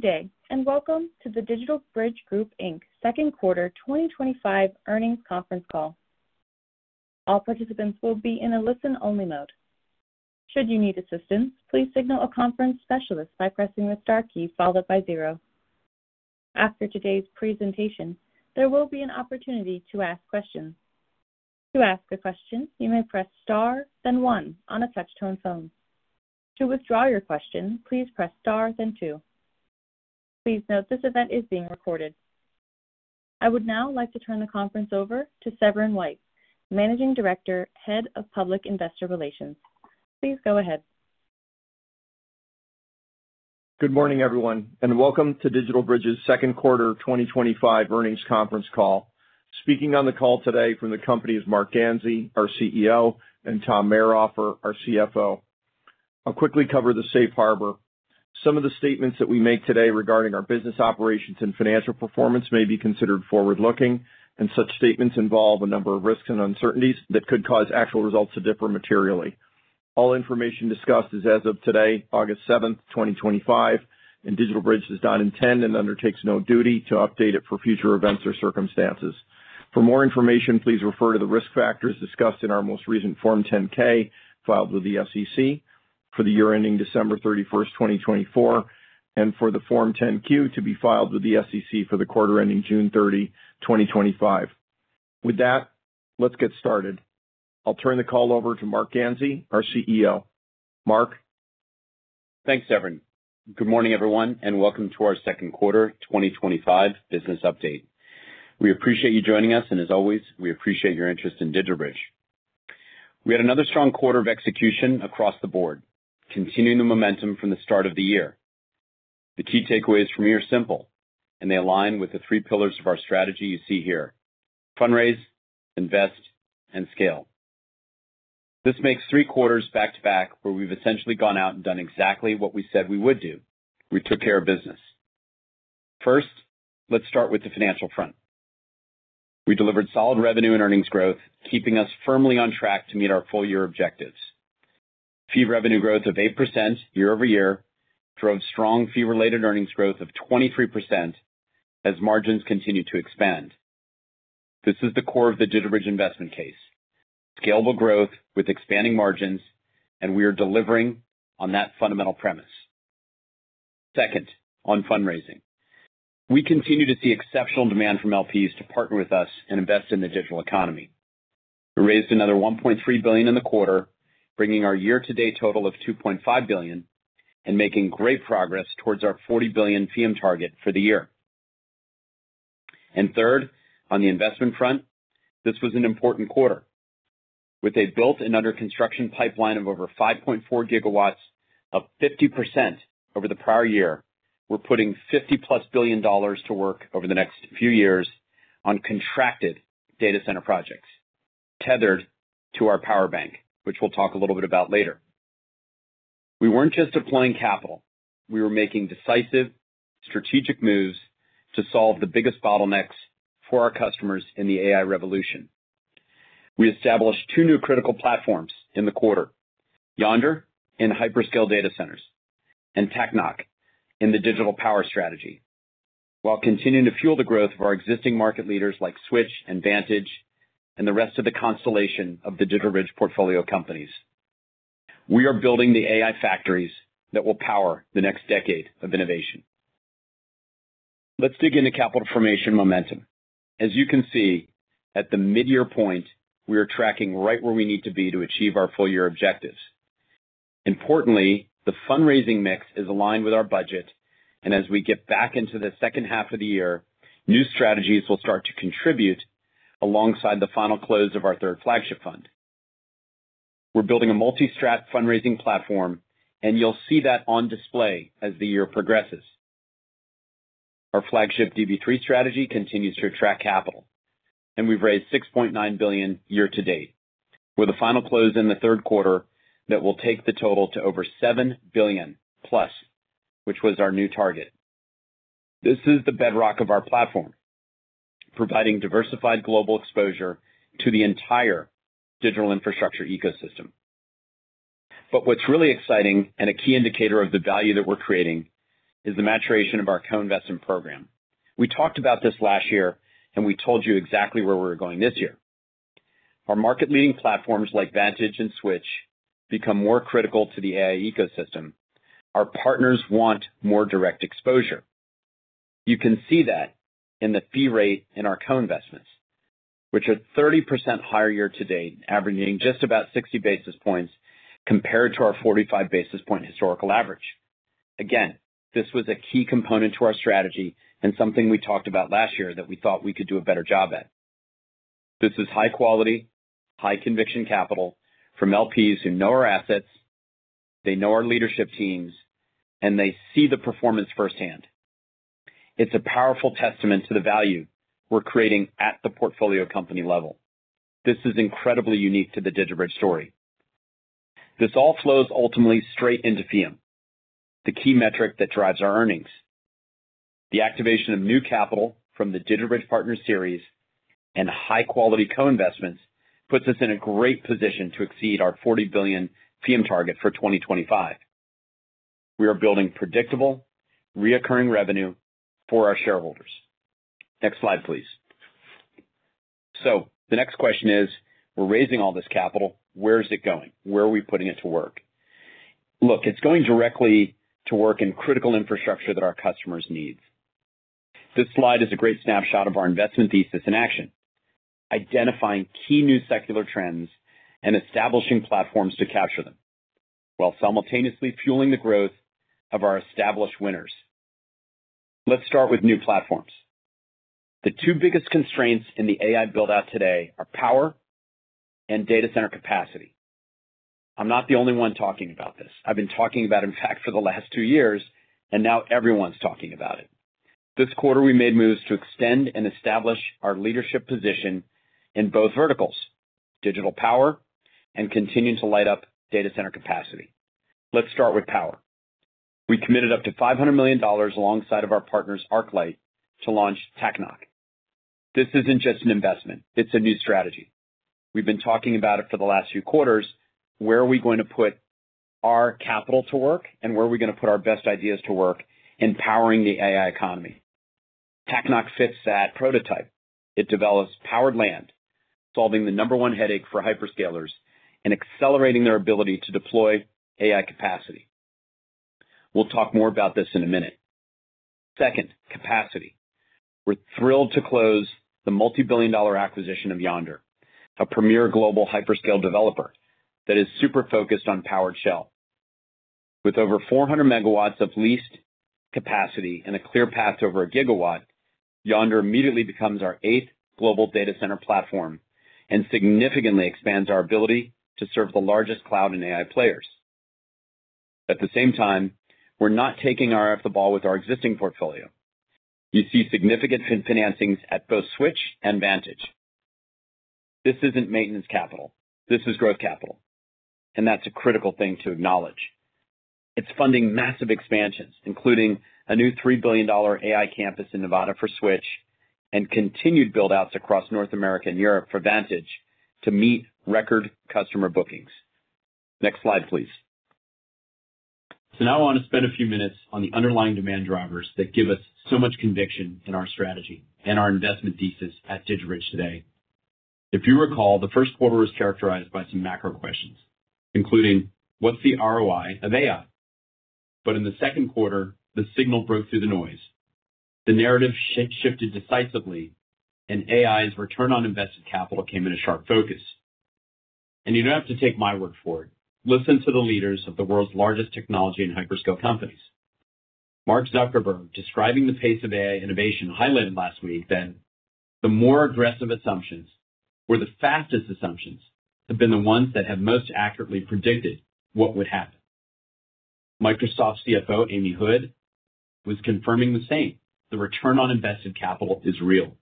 Good day and welcome to the DigitalBridge Group Inc. Second Quarter 2025 Earnings Conference Call. All participants will be in a listen-only mode. Should you need assistance, please signal a conference specialist by pressing the star key followed by zero. After today's presentation, there will be an opportunity to ask questions. To ask a question, you may press star then one on a touch-tone phone. To withdraw your question, please press star then two. Please note this event is being recorded. I would now like to turn the conference over to Severin White, Managing Director, Head of Public Investor Relations. Please go ahead. Good morning everyone and welcome to DigitalBridge's second quarter 2025 earnings conference call. Speaking on the call today from the company is Marc Ganzi, our CEO, and Tom Mayrhofer, our CFO. I'll quickly cover the safe harbor. Some of the statements that we make today regarding our business operations and financial performance may be considered forward-looking, and such statements involve a number of risks and uncertainties that could cause actual results to differ materially. All information discussed is as of today, August 7th, 2025, and DigitalBridge does not intend and undertakes no duty to update it for future events or circumstances. For more information, please refer to the risk factors discussed in our most recent Form 10-K filed with the SEC for the year ending December 31st, 2024, and for the Form 10-Q to be filed with the SEC for the quarter ending June 30, 2025. With that, let's get started. I'll turn the call over to Marc Ganzi, our CEO. Marc? Thanks, Severin. Good morning everyone and welcome to our second quarter 2025 business update. We appreciate you joining us and, as always, we appreciate your interest in DigitalBridge. We had another strong quarter of execution across the board, continuing the momentum from the start of the year. The key takeaways from here are simple and they align with the three pillars of our strategy you see here: Fundraise, Invest, and Scale. This makes three quarters back to back where we've essentially gone out and done exactly what we said we would do. We took care of business. First, let's start with the financial front. We delivered solid revenue and earnings growth, keeping us firmly on track to meet our full year objectives. Fee revenue growth of 8% year-over-year drove strong fee-related earnings growth of 23% as margins continue to expand. This is the core of the DigitalBridge investment case: scalable growth with expanding margins, and we are delivering on that fundamental premise. Second, on fundraising, we continue to see exceptional demand from LPs to partner with us and invest in the digital economy. We raised another $1.3 billion in the quarter, bringing our year-to-date total to $2.5 billion and making great progress towards our $40 billion FEEUM target for the year. Third, on the investment front, this was an important quarter with a built and under construction pipeline of over 5.4 GW, up 50% over the prior year. We're putting $50+ billion to work over the next few years on contracted data center projects tethered to our power bank, which we'll talk a little bit about later. We weren't just deploying capital, we were making decisive strategic moves to solve the biggest bottlenecks for our customers in the AI revolution. We established two new critical platforms in the quarter, Yondr in hyperscale data centers and Takanock in the Digital Power strategy, while continuing to fuel the growth of our existing market leaders like Switch and Vantage and the rest of the constellation of DigitalBridge portfolio companies. We are building the AI factories that will power the next decade of innovation. Let's dig into capital formation momentum. As you can see, at the mid-year point we are tracking right where we need to be to achieve our full-year objectives. Importantly, the fundraising mix is aligned with our budget, and as we get back into the second half of the year, new strategies will start to contribute. Alongside the final close of our third flagship fund, we're building a multi-strat fundraising platform and you'll see that on display as the year progresses. Our flagship DB3 strategy continues to attract capital and we've raised $6.9 billion year-to-date, with a final close in the third quarter that will take the total to over $7 billion, which was our new target. This is the bedrock of our platform, providing diversified global exposure to the entire digital infrastructure ecosystem. What's really exciting and a key indicator of the value that we're creating is the maturation of our co-investment program. We talked about this last year and we told you exactly where we were going. This year our market-leading platforms like Vantage and Switch become more critical to the AI ecosystem. Our partners want more direct exposure. You can see that in the fee rate in our co-investments, which are 30% higher year-to-date, averaging just about 60 basis points compared to our 45 basis point historical average. This was a key component to our strategy and something we talked about last year that we thought we could do a better job at. This is high quality, high conviction capital from LPs who know our assets, they know our leadership teams, and they see the performance firsthand. It's a powerful testament to the value we're creating at the portfolio company level. This is incredibly unique to the DigitalBridge story. This all flows ultimately straight into FEEUM, the key metric that drives our earnings. The activation of new capital from the DigitalBridge Partner Series and high quality co-investments puts us in a great position to exceed our $40 billion FEEUM target for 2025. We are building predictable recurring revenue for our shareholders. Next slide please. The next question is, we're raising all this capital. Where is it going? Where are we putting it to work? Look, it's going directly to work in critical infrastructure that our customers need. This slide is a great snapshot of our investment thesis in action, identifying key new secular trends and establishing platforms to capture them while simultaneously fueling the growth of our established winners. Let's start with new platforms. The two biggest constraints in the AI buildout today are power and data center capacity. I'm not the only one talking about this. I've been talking about it, in fact, for the last two years and now everyone's talking about it. This quarter we made moves to extend and establish our leadership position in both verticals: digital power and continuing to light up data center capacity. Let's start with power. We committed up to $500 million alongside our partners ArcLight to launch Takanock. This isn't just an investment, it's a new strategy. We've been talking about it for the last few quarters. Where are we going to put our capital to work and where are we going to put our best ideas to work in powering the AI economy? Takanock fits that prototype. It develops powered land, solving the number one headache for hyperscalers and accelerating their ability to deploy AI capacity. We'll talk more about this in a minute. Second, capacity. We're thrilled to close the multibillion dollar acquisition of Yondr, a premier global hyperscale developer that is super focused on powered shell. With over 400 MW of leased capacity and a clear path over 1 GW, Yondr immediately becomes our eighth global data center platform and significantly expands our ability to serve the largest cloud and AI players. At the same time, we're not taking our eye off the ball with our existing portfolio. You see significant financings at both Switch and Vantage. This isn't maintenance capital, this is growth capital, and that's a critical thing to acknowledge. It's funding massive expansions, including a new $3 billion AI campus in Nevada for Switch and continued build outs across North America and Europe for Vantage to meet record customer bookings. Next slide, please. I want to spend a few minutes on the underlying demand drivers that give us so much conviction in our strategy and our investment thesis at DigitalBridge today. If you recall, the first quarter was characterized by some macro questions, including what's the ROI of AI? In the second quarter, the signal broke through the noise, the narrative shifted decisively, and AI's return on invested capital came into sharp focus. You don't have to take my word for it, listen to the leaders of the world's largest technology and hyperscale companies. Mark Zuckerberg, describing the pace of AI innovation highlighted last week. The more aggressive assumptions or the fastest assumptions have been the ones that have most accurately predicted what would happen. Microsoft CFO Amy Hood was confirming the same. The return on invested capital is real,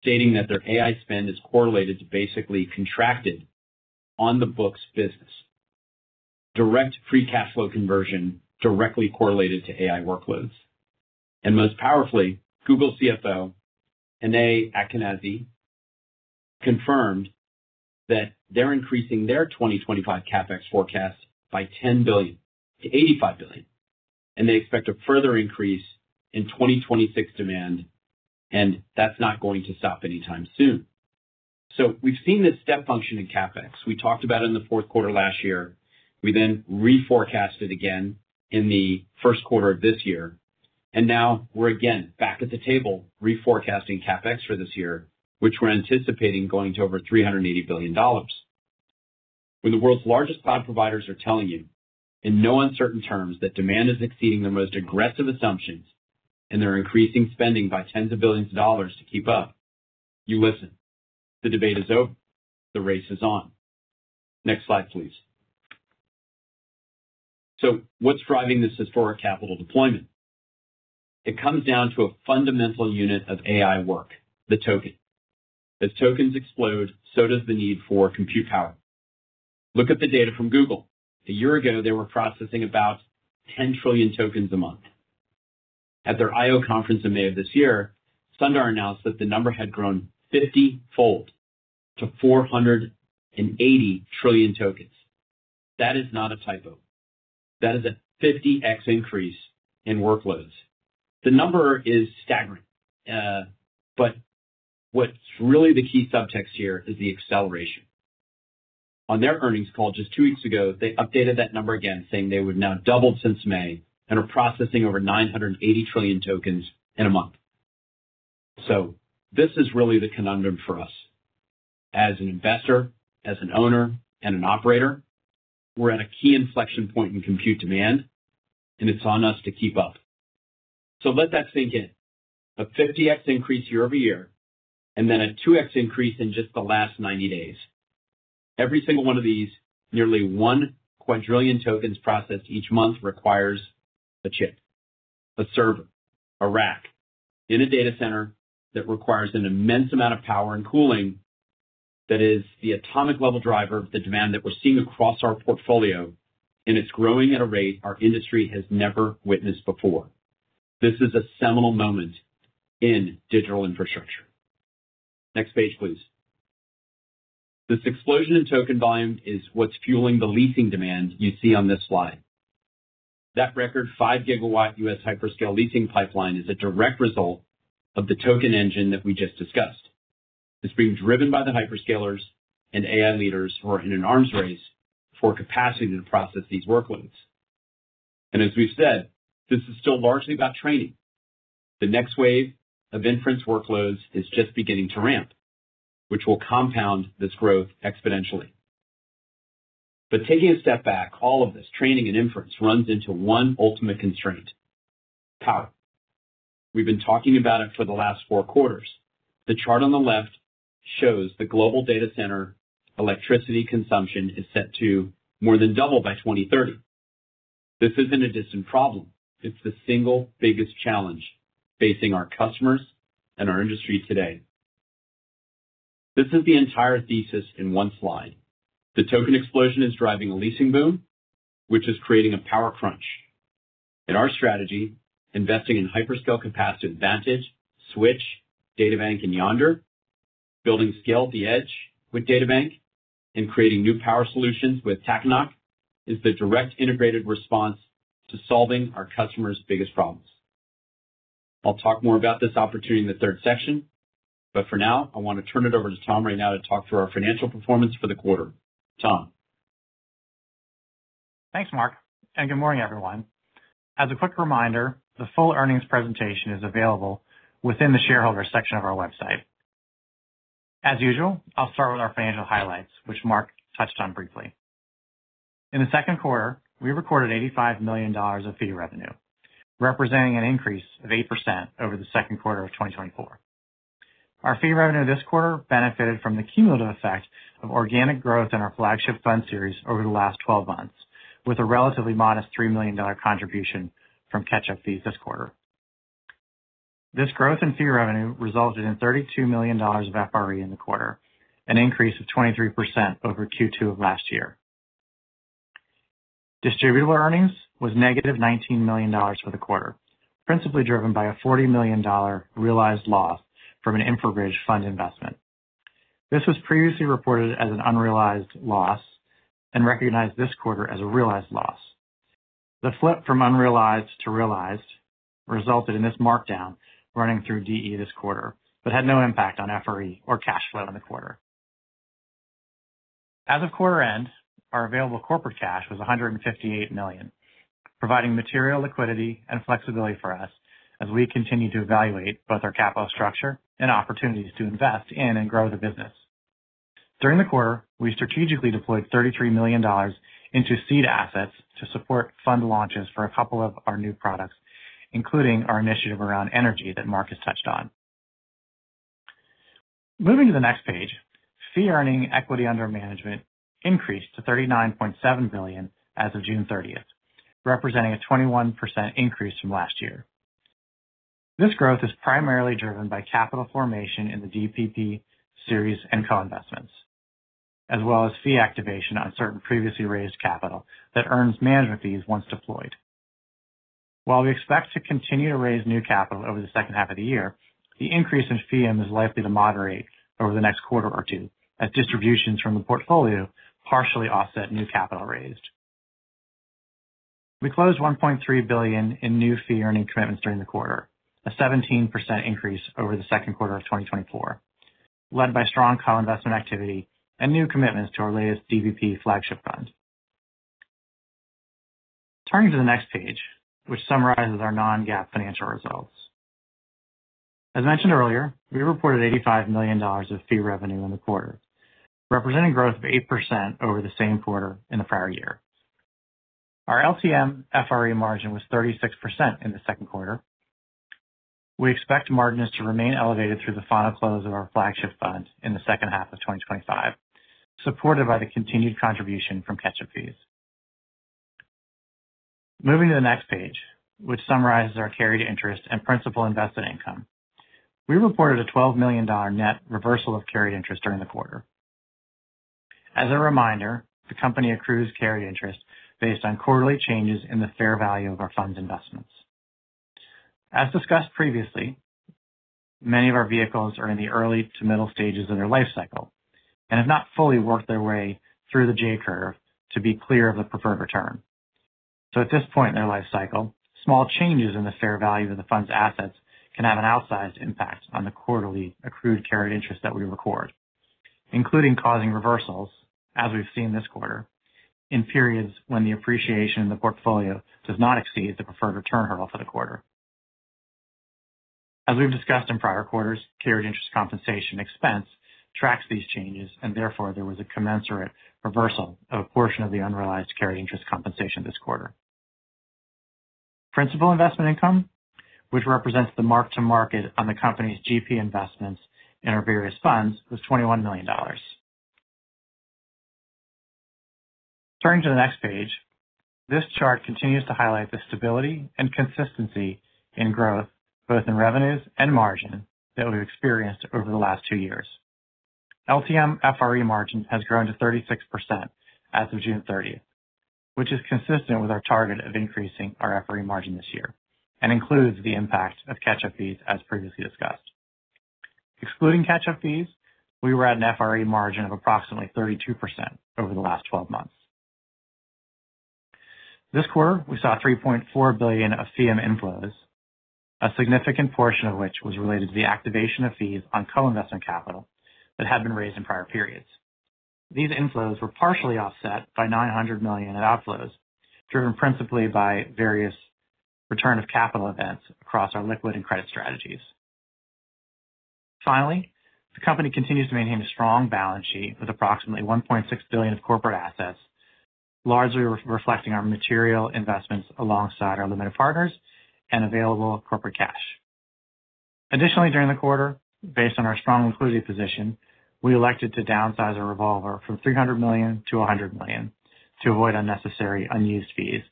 stating that their AI spend is correlated to basically contracted on the books business, direct free cash flow conversion directly correlated to AI workloads. Most powerfully, Google CFO Anat Ashkenazi confirmed that they're increasing their 2025 CapEx forecast by $10 billion to $85 billion, and they expect a further increase in 2026 demand. That's not going to stop anytime soon. We've seen this step function in CapEx. We talked about it in the fourth quarter last year, we then reforecast it again in the first quarter of this year, and now we're again back at the table reforecasting CapEx for this year, which we're anticipating going to over $380 billion. When the world's largest cloud providers are telling you in no uncertain terms that demand is exceeding the most aggressive assumptions and they're increasing spending by tens of billions of dollars to keep up, you listen. The debate is over. The race is on. Next slide, please. What's driving this for our capital deployment? It comes down to a fundamental unit of AI work, the token. As tokens explode, so does the need for compute power. Look at the data from Google. A year ago they were processing about 10 trillion tokens a month. At their I/O conference in May of this year, Sundar announced that the number had grown 50-fold to 480 trillion tokens. That is not a typo, that is a 50x increase in workloads. The number is staggering. What's really the key subtext here is the acceleration on their earnings call. Just two weeks ago they updated that number again, saying they would now double since May and are processing over 980 trillion tokens in a month. This is really the conundrum for us as an investor, as an owner and an operator. We're at a key inflection point in compute demand and it's on us to keep up. Let that sink in. A 50x increase year-over-year, and then a 2x increase in just the last 90 days. Every single one of these nearly 1 quadrillion tokens processed each month requires a chip, a server, a rack in a data center. That requires an immense amount of power and cooling. That is the atomic level driver of the demand that we're seeing across our portfolio, and it's growing at a rate our industry has never witnessed before. This is a seminal moment in digital infrastructure. Next page please. This explosion in token volume is what's fueling the leasing demand you see on this slide. That record 5 GW U.S. hyperscale leasing pipeline is a direct result of the token engine that we just discussed. It's being driven by the hyperscalers and AI leaders who are in an arms race for capacity to process these workloads. As we've said, this is still largely about training. The next wave of inference workloads is just beginning to ramp, which will compound this growth exponentially. Taking a step back, all of this training and inference runs into one ultimate constraint: power. We've been talking about it for the last four quarters. The chart on the left shows the global data center electricity consumption is set to more than double by 2030. This isn't a distant problem. It's the single biggest challenge facing our customers and our industry today. This is the entire thesis in one slide. The token explosion is driving a leasing boom, which is creating a power crunch in our strategy. Investing in hyperscale capacity, Vantage, Switch, DataBank, and Yondr, building scale at the edge with DataBank, and creating new power solutions with Takanock is the direct integrated response to solving our customers' biggest problems. I'll talk more about this opportunity in the third section, but for now I want to turn it over to Tom right now to talk through our financial performance for the quarter. Tom. Thanks Marc, and good morning everyone. As a quick reminder, the full earnings presentation is available within the shareholders section of our website. As usual, I'll start with our financial highlights, which Marc touched on briefly. In the second quarter we recorded $85 million of fee revenue, representing an increase of 8% over the second quarter of 2024. Our fee revenue this quarter benefited from the cumulative effect of organic growth in our flagship fund series over the last 12 months, with a relatively modest $3 million contribution from catch up fees this quarter. This growth in fee revenue resulted in $32 million of FRE in the quarter, an increase of 23% over Q2 of last year. Distributable earnings was -$19 million for the quarter, principally driven by a $40 million realized loss from an infrabridge fund investment. This was previously reported as an unrealized loss and recognized this quarter as a realized loss. The flip from unrealized to realized resulted in this markdown running through DE this quarter, but had no impact on FRE or cash flow in the quarter. As of quarter end, our available corporate cash was $158 million, providing material liquidity and flexibility for us as we continue to evaluate both our capital structure and opportunities to invest in and grow the business. During the quarter, we strategically deployed $33 million into seed assets to support fund launches for a couple of our new products, including our initiative around energy that Marc touched on. Moving to the next page, fee earning equity under management increased to $39.7 billion as of June 30, representing a 21% increase from last year. This growth is primarily driven by capital formation in the DPP series and co-investments as well as fee activation on certain previously raised capital that earns manager fees once deployed. While we expect to continue to raise new capital over the second half of the year, the increase in FEEUM is likely to moderate over the next quarter or two as distributions from the portfolio partially offset new capital raised. We closed $1.3 billion in new fee earning commitments during the quarter, a 17% increase over the second quarter of 2024, led by strong co-investment activity and new commitments to our latest DBP flagship fund. Turning to the next page, which summarizes our non-GAAP financial results, as mentioned earlier, we reported $85 million of fee revenue in the quarter, representing growth of 8% over the same quarter. In the prior year, our LTM FRE margin was 36% in the second quarter. We expect margins to remain elevated through the final close of our flagship fund in the second half of 2025, supported by the continued contribution from catch up fees. Moving to the next page, which summarizes our carried interest and principal invested income, we reported a $12 million net reversal of carried interest during the quarter. As a reminder, the company accrues carried interest based on quarterly changes in the fair value of our funds' investments. As discussed previously, many of our vehicles are in the early to middle stages. In their life cycle and have not. Fully worked their way through the J curve. To be clear of the preferred return, so at this point in their life cycle, small changes in the fair value of the fund's assets can have an outsized impact on the quarterly accrued carried interest that we record, including causing reversals as we've seen this quarter, in periods when the appreciation in the portfolio does not exceed the preferred return hurdle for the quarter. As we've discussed in prior quarters, carried interest compensation expense tracks these changes, and therefore there was a commensurate reversal of a portion of the unrealized carried interest compensation this quarter. Principal investment income, which represents the mark to market on the company's GP investments in our various funds, was $21 million. Turning to the next page, this chart continues to highlight the stability and consistency in growth, both in revenues and margin that we've experienced over the last two years. LTM FRE margin has grown to 36% as of June 30, which is consistent with our target of increasing our FRE margin this year and includes the impact of catch up fees as previously discussed. Excluding catch up fees, we were at an FRE margin of approximately 32% over the last 12 months. This quarter we saw $3.4 billion of FEEUM inflows, a significant portion of which was related to the activation of fees on co-investment capital that had been raised in prior periods. These inflows were partially offset by $900 million in outflows driven principally by various return of capital events across our liquid and credit strategies. Finally, the company continues to maintain a strong balance sheet with approximately $1.6 billion of corporate assets, largely reflecting our material investments alongside our limited partners and available corporate cash. Additionally, during the quarter, based on our strong liquidity position, we elected to downsize our revolver from $300 million to $100 million to avoid unnecessary unused fees,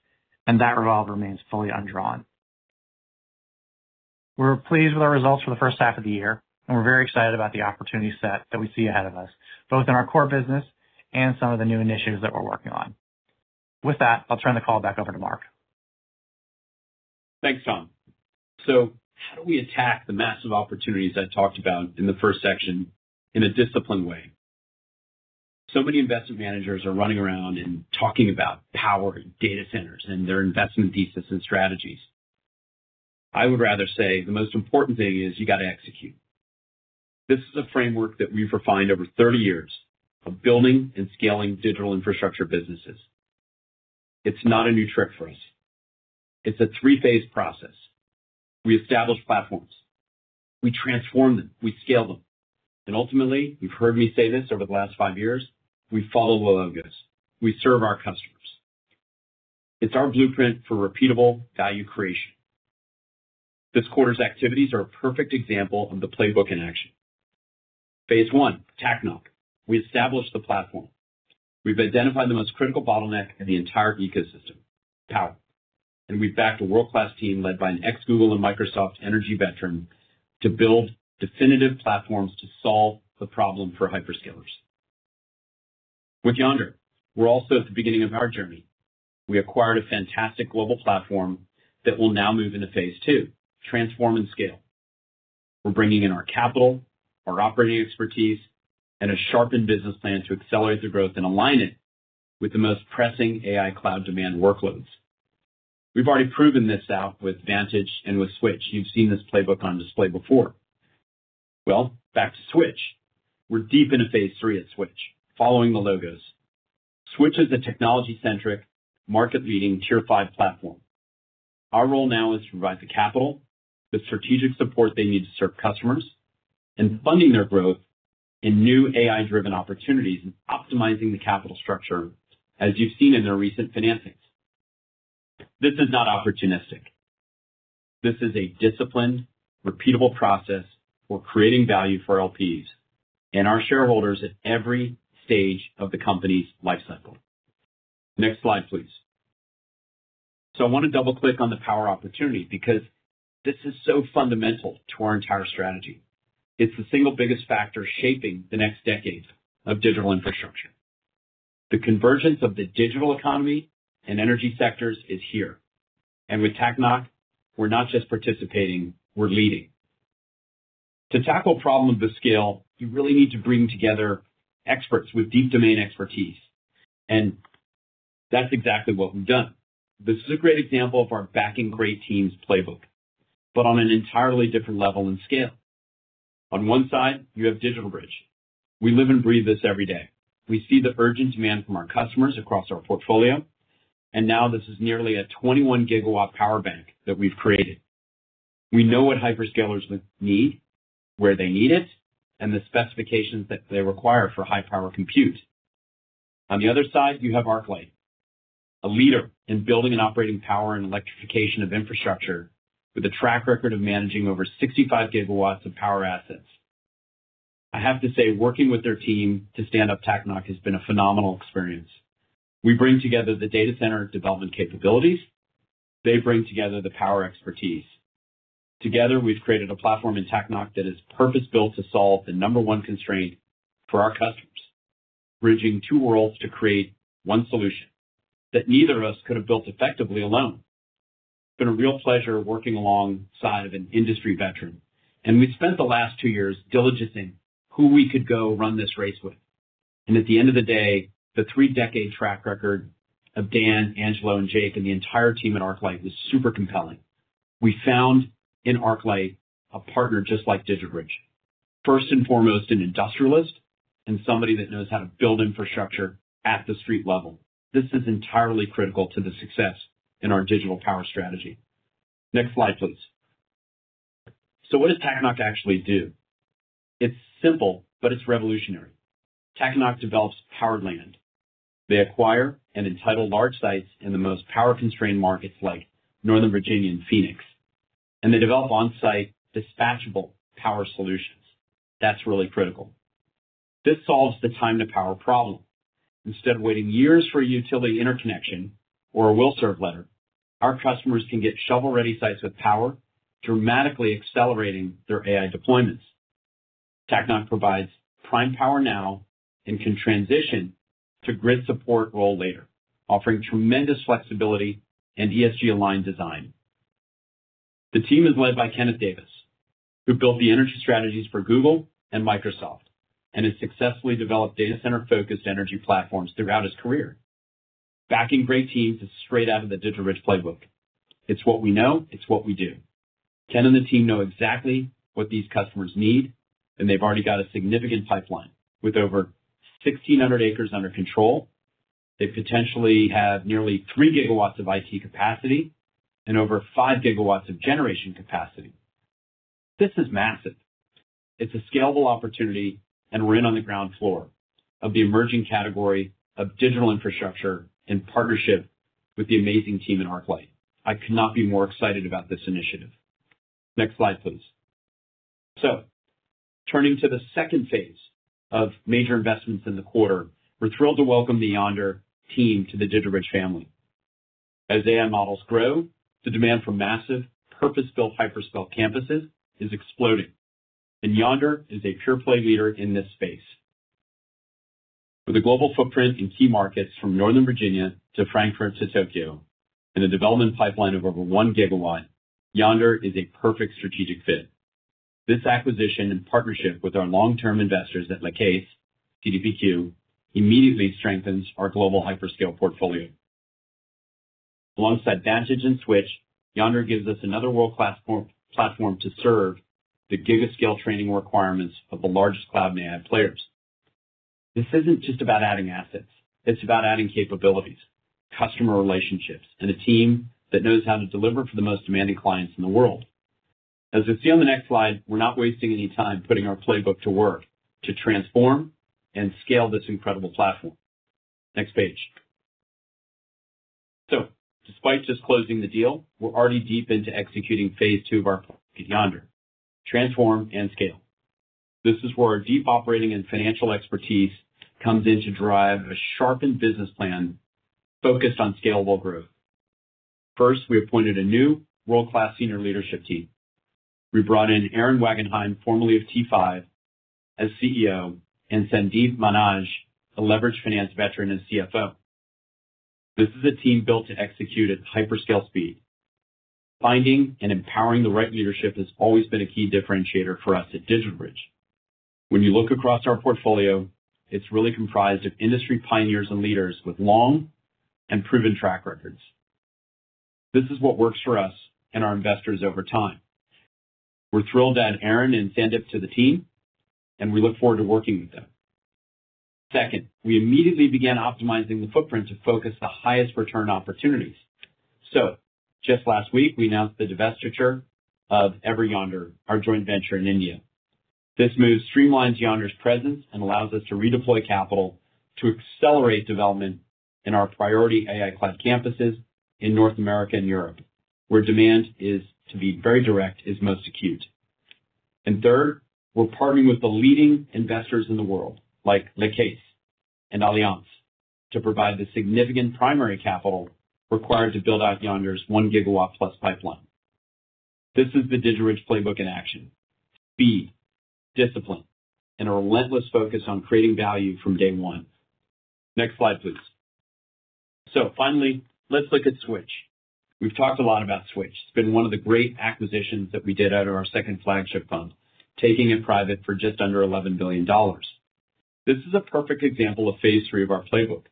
and that revolver remains fully undrawn. We're pleased with our results for the first half of the year and we're very excited about the opportunity set that we see ahead of us both in our core business and some of the new initiatives that we're working on. With that, I'll turn the call back over to Marc. Thanks, Tom. How do we attack the massive opportunities I talked about in the first section in a disciplined way? So many investment managers are running around and talking about power, data centers, and their investment thesis and strategies. I would rather say the most important thing is you got to execute. This is a framework that we've refined over 30 years of building and scaling digital infrastructure businesses. It's not a new trick for us. It's a three-phase process: we establish platforms, we transform them, we scale them, and ultimately you've heard me say this over the last five years. We follow well on goods, we serve our customers. It's our blueprint for repeatable value creation. This quarter's activities are a perfect example of the playbook in action. Phase one, Takanock. We established the platform. We've identified the most critical bottleneck in the entire ecosystem: power. We've backed a world-class team led by an ex-Google and Microsoft Energy veteran to build definitive platforms to solve the problem for hyperscalers. With Yondr, we're also at the beginning of our journey. We acquired a fantastic global platform that will now move into phase two: transform and scale. We're bringing in our capital, our operating expertise, and a sharpened business plan to accelerate the growth and align it with the most pressing AI cloud demand workloads. We've already proven this out with Vantage and with Switch. You've seen this playbook on display before. Back to Switch. We're deep into phase three at Switch, following the logos. Switch is the technology-centric, market-leading, tier 5 platform. Our role now is to provide the capital, the strategic support they need to serve customers, and funding their growth in new AI-driven opportunities and optimizing the capital structure. As you've seen in their recent financings, this is not opportunistic. This is a disciplined, repeatable process for creating value for LPs and our shareholders at every stage of the company's life cycle. Next slide, please. I want to double click on the power opportunity because this is so fundamental to our entire strategy. It's the single biggest factor shaping the next decade of digital infrastructure. The convergence of the digital economy and energy sectors is here. With Takanock, we're not just participating, we're leading. To tackle a problem of this scale, you really need to bring together experts with deep domain expertise, and that's exactly what we've done. This is a great example of our backing great teams playbook, but on an entirely different level in scale. On one side you have DigitalBridge. We live and breathe this every day. We see the urgent demand from our customers across our portfolio. Now this is nearly a 21 GW power bank that we've created. We know what hyperscalers need, where they need it, and the specifications that they require for high power compute. On the other side you have ArcLight, a leader in building and operating power and electrification of infrastructure with a track record of managing over 65 GW of power assets. I have to say working with their team to stand up Takanock has been a phenomenal experience. We bring together the data center development capabilities, they bring together the power expertise. Together we've created a platform in Takanock that is purpose built to solve the number one constraint for our customers, bridging two worlds to create one solution that neither of us could have built effectively alone. It's been a real pleasure working alongside an industry veteran and we've spent the last two years diligencing who we could go run this race with. At the end of the day, the three-decade track record of Dan, Angelo, and Jake and the entire team at ArcLight is super compelling. We found in ArcLight a partner just like DigitalBridge, first and foremost, an industrialist and somebody that knows how to build infrastructure at the street level. This is entirely critical to the success in our digital power strategy. Next slide please. What does Takanock actually do? It's simple, but it's revolutionary. Takanock develops power land. They acquire and entitle large sites in the most power constrained markets like Northern Virginia and Phoenix, and they develop on site dispatchable power solutions. That's really critical. This solves the time to power problem. Instead of waiting years for utility interconnection or a will serve letter, our customers can get shovel ready sites with power, dramatically accelerating their AI deployments. Takanock provides prime power now and can transition to grid support role later, offering tremendous flexibility and ESG aligned design. The team is led by Kenneth Davis, who built the energy strategies for Google and Microsoft and has successfully developed data center focused energy platforms throughout his career. Backing great teams is straight out of the DigitalBridge playbook. It's what we know, it's what we do. Ken and the team know exactly what these customers need and they've already got a significant pipeline. With over 1,600 acres under control, they potentially have nearly 3 GW of IT capacity and over 5 GW of generation capacity. This is massive. It's a scalable opportunity and we're on the ground floor of the emerging category of digital infrastructure in partnership with the amazing team in ArcLight. I could not be more excited about this initiative. Next slide please. Turning to the second phase of major investments in the quarter, we're thrilled to welcome the Yondr team to the DigitalBridge family. As AI models grow, the demand for massive purpose-built hyperscale campuses is exploding and Yondr is a pure play leader in this space. With a global footprint in key markets from Northern Virginia to Frankfurt to Tokyo and a development pipeline of over 1 GW, Yondr is a perfect strategic fit. This acquisition, in partnership with our long-term investors at La Caisse, immediately strengthens our global hyperscale portfolio. Alongside Vantage and Switch, Yondr gives us another world-class platform to serve the gigascale training requirements of the largest cloud and AI players. This isn't just about adding assets. It's about adding capabilities, customer relationships, and a team that knows how to deliver for the most demanding clients in the world. As you see on the next slide, we're not wasting any time putting our playbook to work to transform and scale this incredible platform. Next page. Despite just disclosing the deal, we're already deep into executing phase two of our Yondr Transform and Scale. This is where our deep operating and financial expertise comes in to drive a sharpened business plan focused on scalable growth. First, we appointed a new world-class senior leadership team. We brought in Aaron Wangenheim, formerly of T5, as CEO and Sandeep Mahajan, a leveraged finance veteran, as CFO. This is a team built to execute at hyperscale speed. Finding and empowering the right leadership has always been a key differentiator for us at DigitalBridge. When you look across our portfolio, it's really comprised of industry pioneers and leaders with long and proven track records. This is what works for us and our investors over time. We're thrilled to add Aaron and Sandeep to the team and we look forward to working with them. Second, we immediately began optimizing the footprint to focus the highest return opportunities. Just last week we announced the divestiture of Yondr, our joint venture in India. This move streamlines Yondr's presence and allows us to redeploy capital to accelerate development in our priority AI cloud campuses in North America and Europe, where demand is, to be very direct, most acute. Third, we're partnering with the leading investors in the world like La Caisse and Allianz to provide the significant primary capital required to build out Yondr's 1 GW+ pipeline. This is the DigitalBridge playbook in action. Discipline and a relentless focus on creating value from day one. Next slide please. Finally, let's look at Switch. We've talked a lot about Switch. It's been one of the great acquisitions that we did at our second flagship fund, taking it private for just under $11 billion. This is a perfect example of phase three of our playbook.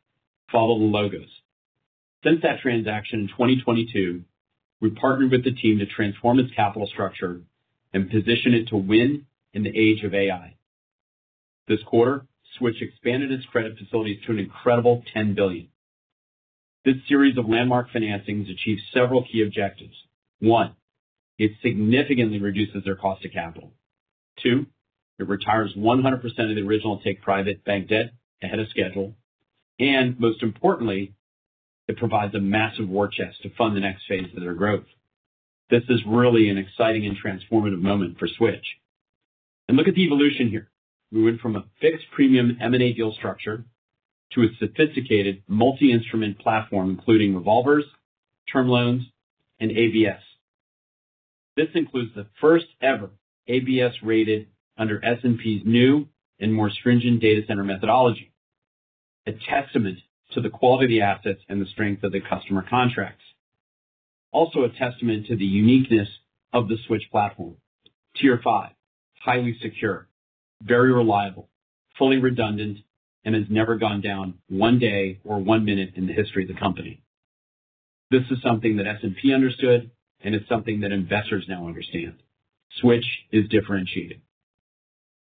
Follow the logos. Since that transaction in 2022, we partnered with the team to transform its capital structure and position it to win in the age of AI. This quarter, Switch expanded its credit facilities to an incredible $10 billion. This series of landmark financings achieved several key objectives. One, it significantly reduces their cost of capital. Two, it retires 100% of the original take private bank debt ahead of schedule. Most importantly, it provides a massive war chest to fund the next phase of their growth. This is really an exciting and transformative moment for Switch and look at the evolution here. We went from a fixed premium M&A deal structure to a sophisticated multi-instrument platform including revolvers, term loans, and ABS. This includes the first ever ABS rated under S&P's new and more stringent data center methodology. A testament to the quality of the assets and the strength of the customer contracts. Also a testament to the uniqueness of the Switch platform. Tier 5, highly secure, very reliable, fully redundant, and has never gone down one day or one minute in the history of the company. This is something that S&P understood and it's something that investors now understand. Switch is differentiated.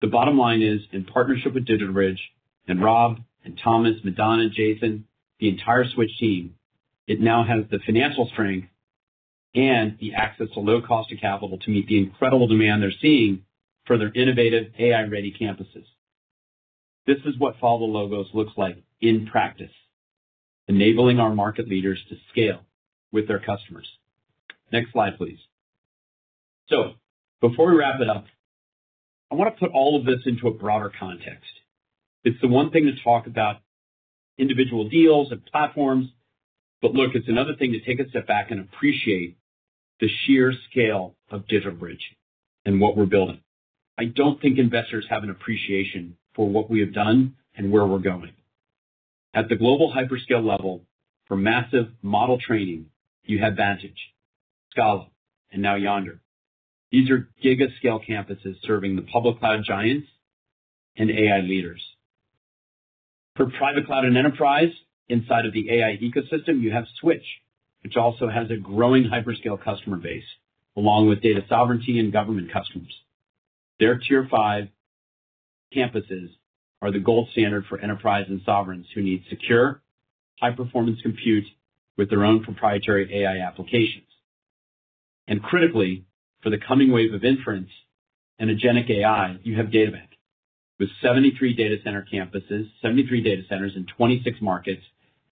The bottom line is in partnership with DigitalBridge and Rob and Thomas, Madonna, Jason, the entire Switch team. It now has the financial strength and the access to low cost of capital to meet the incredible demand they're seeing for their innovative AI ready campuses. This is what follow logos looks like in practice. Enabling our market leaders to scale with their customers. Next slide, please. Before we wrap it up, I want to put all of this into a broader context. It's one thing to talk about individual deals and platforms, but look, it's another thing to take a step back and appreciate the sheer scale of DigitalBridge and what we're building. I don't think investors have an appreciation for what we have done and where we're going at the global hyperscale level. For massive model training, you have Vantage, Scala, and now Yondr. These are giga scale campuses serving the public cloud giants and AI leaders for private cloud and enterprise. Inside of the AI ecosystem, you have Switch, which also has a growing hyperscale customer base along with data sovereignty and government customers. Their tier 5 campuses are the gold standard for enterprise and sovereigns who need secure, high-performance compute with their own proprietary AI applications. Critically, for the coming wave of inference and agency, you have DataBank with 73 data center campuses, 73 data centers, and 26 markets.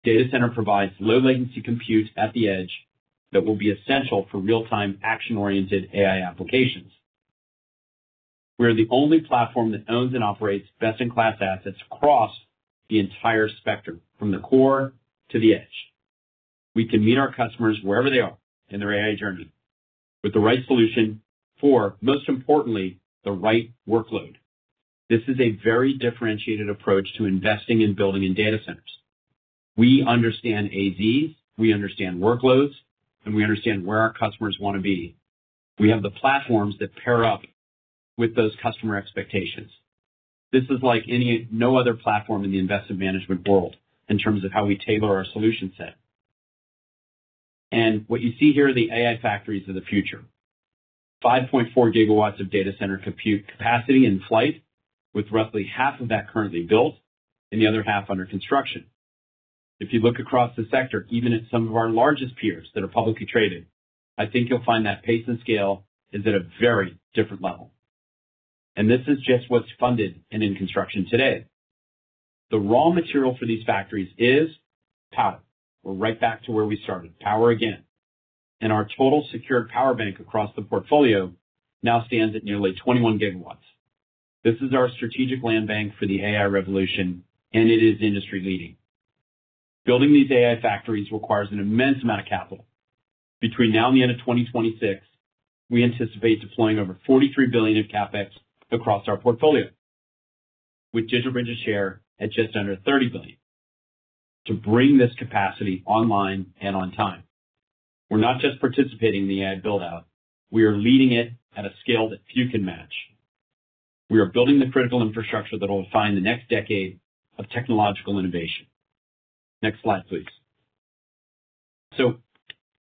DataBank provides low latency compute at the edge that will be essential for real-time, action-oriented AI applications. We're the only platform that owns and operates best-in-class assets across the entire spectrum from the core to the edge. We can meet our customers wherever they are in their AI journey with the right solution for, most importantly, the right workload. This is a very differentiated approach to investing and building in data centers. We understand AZ, we understand workloads, and we understand where our customers want to be. We have the platforms that pair up with those customer expectations. This is like no other platform in the investment management world in terms of how we tailor our solution set, and what you see here are the factories of the future. 5.4 GW of data center capacity in flight, with roughly half of that currently built and the other half under construction. If you look across the sector, even at some of our largest peers that are publicly traded, I think you'll find that pace and scale is at a very different level. This is just what's funded, pace, and in construction today. The raw material for these factories is power. We're right back to where we started, power again. Our total secured power bank across the portfolio now stands at nearly 21 GW. This is our strategic land bank for the AI revolution, and it is industry leading. Building these AI factories requires an immense amount of capital. Between now and the end of 2026, we anticipate deploying over $43 billion in CapEx across our portfolio with DigitalBridge's share at just under $30 billion to bring this capacity online and on time. We're not just participating in the AI build out, we are leading it at a scale that few can match. We are building the critical infrastructure that will define the next decade of technological innovation. Next slide please.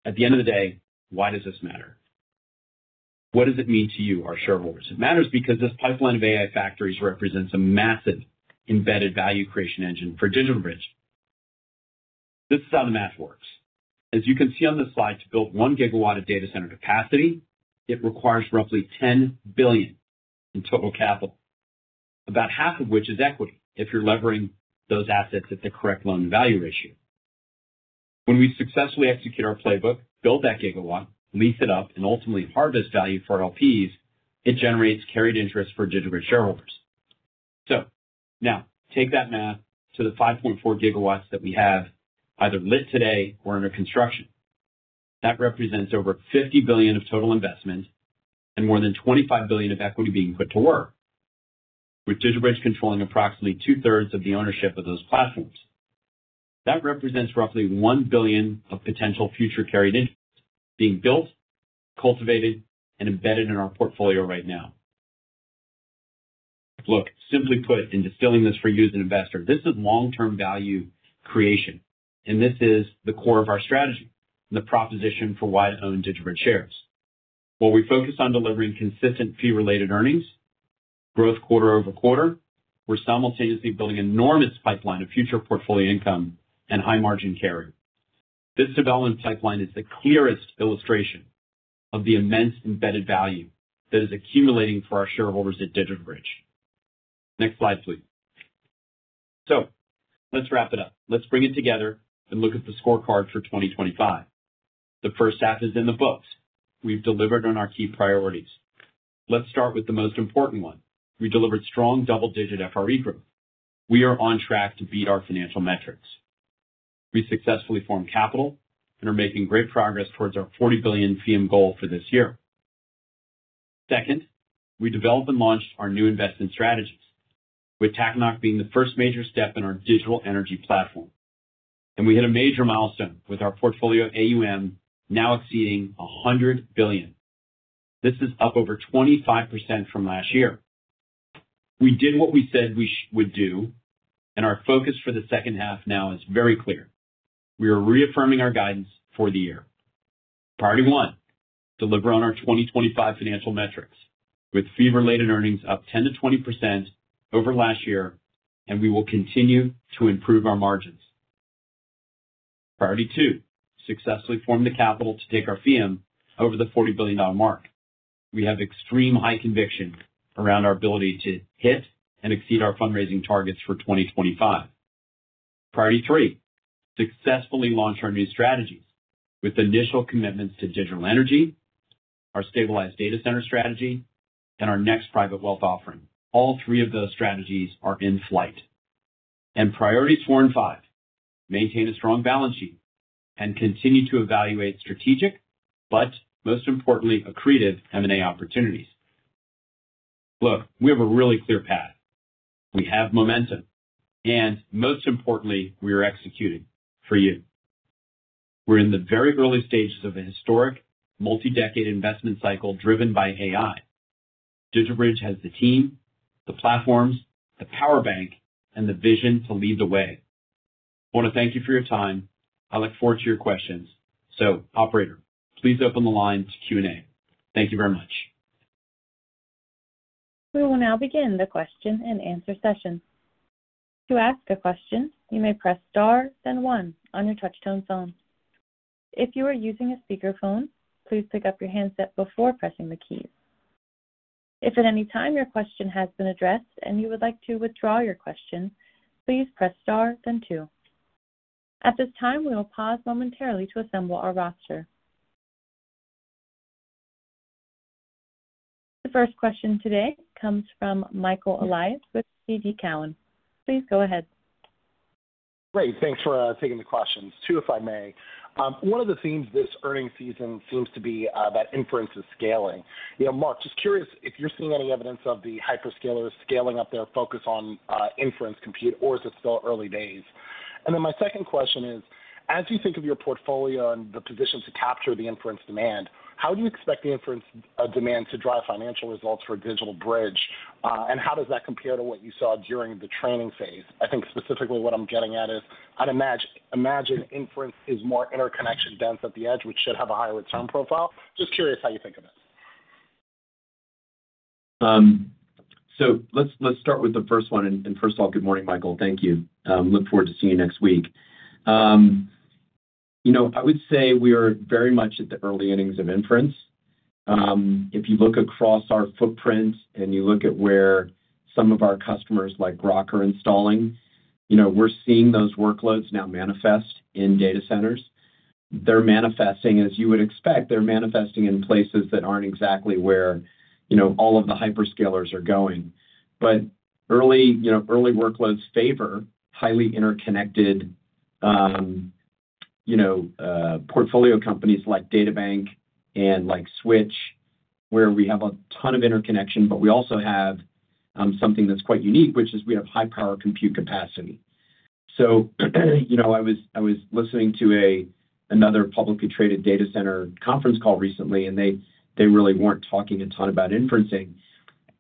At the end of the day, why does this matter? What does it mean to you, our shareholders? It matters because this pipeline of AI factories represents a massive embedded value creation engine for DigitalBridge. This is how the math works. As you can see on this slide, to build 1 GW of data center capacity, it requires roughly $10 billion in total capital, about half of which is equity. If you're levering those assets at the correct loan value ratio, when we successfully execute our playbook, build that gigawatt, lease it up and ultimately harvest value for LPs, it generates carried interest for DigitalBridge shareholders. Now take that math to the 5.4 GW that we have either lit today or under construction. That represents over $50 billion of total investments and more than $25 billion of equity being put to work. With DigitalBridge controlling approximately two thirds of the ownership of those platforms, that represents roughly $1 billion of potential future carried interest being built, cultivated and embedded in our portfolio right now. Simply put, in distilling this for you as an investor, this is long term value creation and this is the core of our strategy. The proposition for why own DigitalBridge shares. While we focus on delivering consistent fee-related earnings growth quarter over quarter, we're simultaneously building an enormous pipeline of future portfolio income and high margin carry. This development pipeline is the clearest illustration of the immense embedded value that is accumulating for our shareholders at DigitalBridge. Next slide please. Let's wrap it up, let's bring it together and look at the scorecard for 2025. The first half is in the books. We've delivered on our key priorities. Let's start with the most important one. We delivered strong double digit FRE growth. We are on track to beat our financial metrics. We successfully formed capital and are making great progress towards our $40 billion FEEUM goal for this year. Second, we developed and launched our new investment strategies with Takanock being the first major step in our digital energy platform. We hit a major milestone with our portfolio AUM now exceeding $100 billion. This is up over 25% from last year. We did what we said we would do, and our focus for the second half now is very clear. We are reaffirming our guidance for the year. Priority one, deliver on our 2025 financial metrics, with fee-related earnings up 10% to 20% over last year, and we will continue to improve our margins. Priority two, successfully form the capital to take our FEEUM over the $40 billion mark. We have extremely high conviction around our ability to hit and exceed our fundraising targets for 2025. Priority three, successfully launch our new strategy with initial commitments to digital energy, our stabilized data center strategy, and our next private wealth offering. All three of those strategies are in flight. Priority four and five, maintain a strong balance sheet and continue to evaluate strategic, but most importantly, accretive M&A opportunities. Look, we have a really clear path, we have momentum, and most importantly, we are executing for you. We're in the very early stages of a historic multi-decade investment cycle driven by AI. DigitalBridge has the team, the platforms, the power bank, and the vision to lead the way. I want to thank you for your time. I look forward to your questions. Operator, please open the line to Q&A. Thank you very much. We will now begin the question and answer session. To ask a question, you may press star then one on your touchtone phone. If you are using a speakerphone, please pick up your handset before pressing the keys. If at any time your question has been addressed and you would like to withdraw your question, please press star then two. At this time, we will pause momentarily to assemble our roster. The first question today comes from Michael Elias with TD Cowen. Please go ahead. Great. Thanks for taking the questions. Two, if I may, one of the themes this earnings season seems to be that inference is scaling. You know, Marc, just curious if you're. Seeing any evidence of the hyperscalers scaling up their focus on inference compute, or just early days? My second question is, as you think of your portfolio and the position to capture the inference demand, how do you expect the inference demand to drive financial results for DigitalBridge? How does that compare to what you saw during the training phase? I think specifically what I'm getting at is, I'd imagine inference is more interconnection dense at the edge, which should. Have a higher return profile. Just curious how you think of it. Let's start with the first one. First of all, good morning, Michael. Thank you. Look forward to seeing you next week. I would say we are very much at the early innings of inference. If you look across our footprint and you look at where some of our customers like Groq are installing, we're seeing those workloads now manifest in data centers. They're manifesting as you would expect. They're manifesting in places that aren't exactly where all of the hyperscalers are going. Early workloads favor highly interconnected portfolio companies like DataBank and like Switch, where we have a ton of interconnection, but we also have something that's quite unique, which is we have high power compute capacity. I was listening to another publicly traded data center conference call recently, and they really weren't talking a ton about inferencing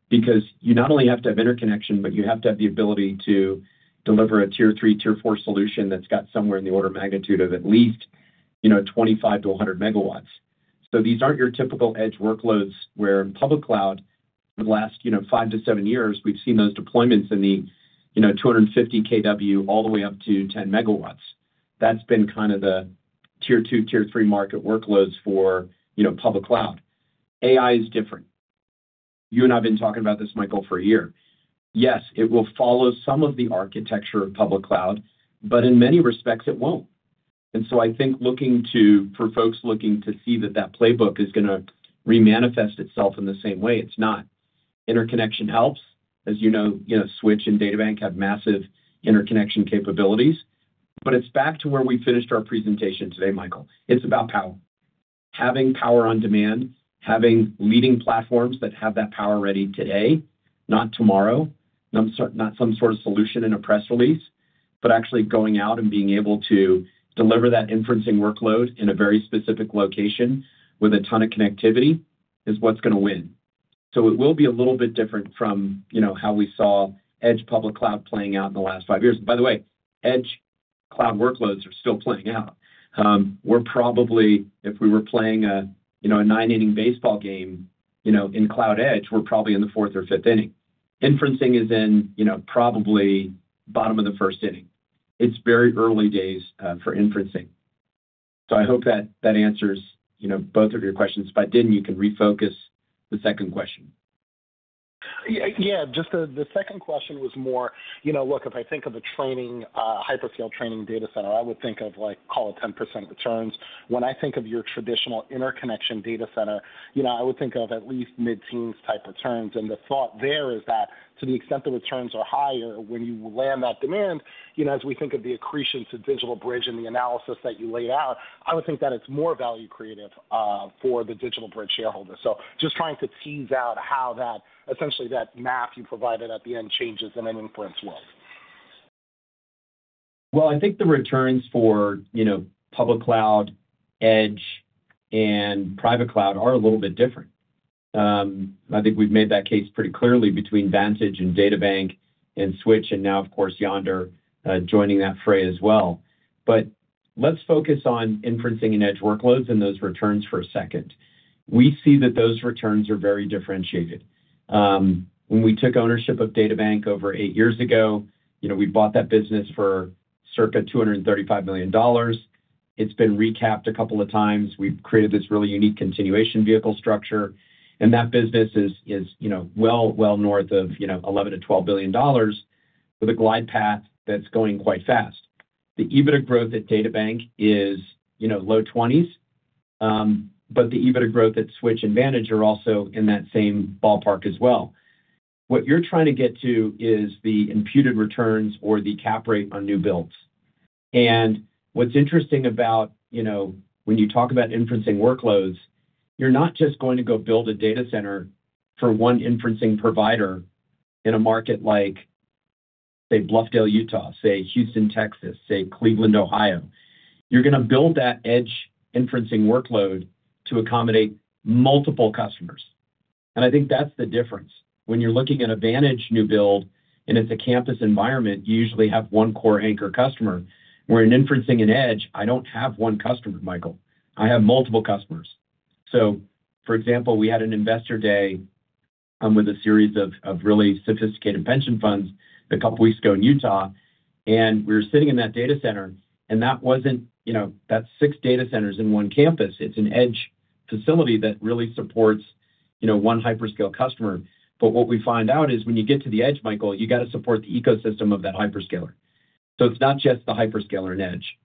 because you not only have to have interconnection, but you have to have the ability to deliver a tier 3, tier 4 solution that's got somewhere in the order of magnitude of at least 25 MW-100 MW. These aren't your typical edge workloads, where in public cloud the last five to seven years, we've seen those deployments in the 250 KW, all the way up to 10 MW. That's been kind of the tier 2, tier 3 market workloads for public cloud. AI is different. You and I've been talking about this, Michael, for a year. Yes, it will follow some of the architecture of public cloud, but in many respects it won't. I think for folks looking to see that playbook is going to remanifest itself in the same way, it's not. Interconnection helps. As you know, Switch and DataBank have massive interconnection capabilities. It's back to where we finished our presentation today, Michael. It's about power. Having power on demand, having leading platforms that have that power ready today, not tomorrow, not some sort of solution in a press release, but actually going out and being able to deliver that inferencing workload in a very specific location with a ton of connectivity is what's going to win. It will be a little bit different from how we saw edge public cloud playing out in the last five years. By the way, edge cloud workloads are still playing out. We're probably, if we were playing a nine inning baseball game in cloud edge, we're probably in the fourth or fifth inning. Inferencing is in probably bottom of the first inning. It's very early days for inferencing. I hope that answers both of your questions. You can refocus the second question. Yeah, just the second question was more, you know, look, if I think of a hyperscale training data center, I would think of like, call it 10% returns. When I think of your traditional interconnection data center, I would think of at least mid teens type returns. The thought there is that to the extent the returns are higher when you land that demand, as we think of the accretion to DigitalBridge and the analysis that you laid out, I would think that it's more value creative for the DigitalBridge shareholders. Just trying to tease out how that essentially that map you provided at the end changes in an inference world. I think the returns for public cloud, edge, and private cloud are a little bit different. I think we've made that case pretty clearly between Vantage and DataBank and Switch, and now of course Yondr joining that fray as well. Let's focus on inferencing and edge workloads and those returns for a second. We see that those returns are very differentiated. When we took ownership of DataBank over eight years ago, you know, we bought that business for circa $235 million. It's been recapped a couple of times. We've created this really unique continuation vehicle structure, and that business is well, well north of $11 billion-$12 billion with a glide path that's going quite fast. The EBITDA growth at DataBank is, you know, low 20s%. The EBITDA growth at Switch and Vantage are also in that same ballpark as well. What you're trying to get to is the imputed returns or the cap rate on new builds. What's interesting about, you know, when you talk about inferencing workloads, you're not just going to go build a data center for one inferencing provider in a market like, say, Bluffdale, Utah, say Houston, Texas, say Cleveland, Ohio. You're going to build that edge inferencing workload to accommodate multiple customers. I think that's the difference. When you're looking at a Vantage new build and it's a campus environment, you usually have one core anchor customer, where in inferencing and edge, I don't have one customer, Michael. I have multiple customers. For example, we had an investor day with a series of really sophisticated pension funds a couple weeks ago in Utah. We were sitting in that data center, and that wasn't, you know, that's six data centers in one campus. It's an edge facility that really supports, you know, one hyperscale customer. What we find out is when you get to the edge, Michael, you got to support the ecosystem of that hyperscaler. It's not just the hyperscaler and edge,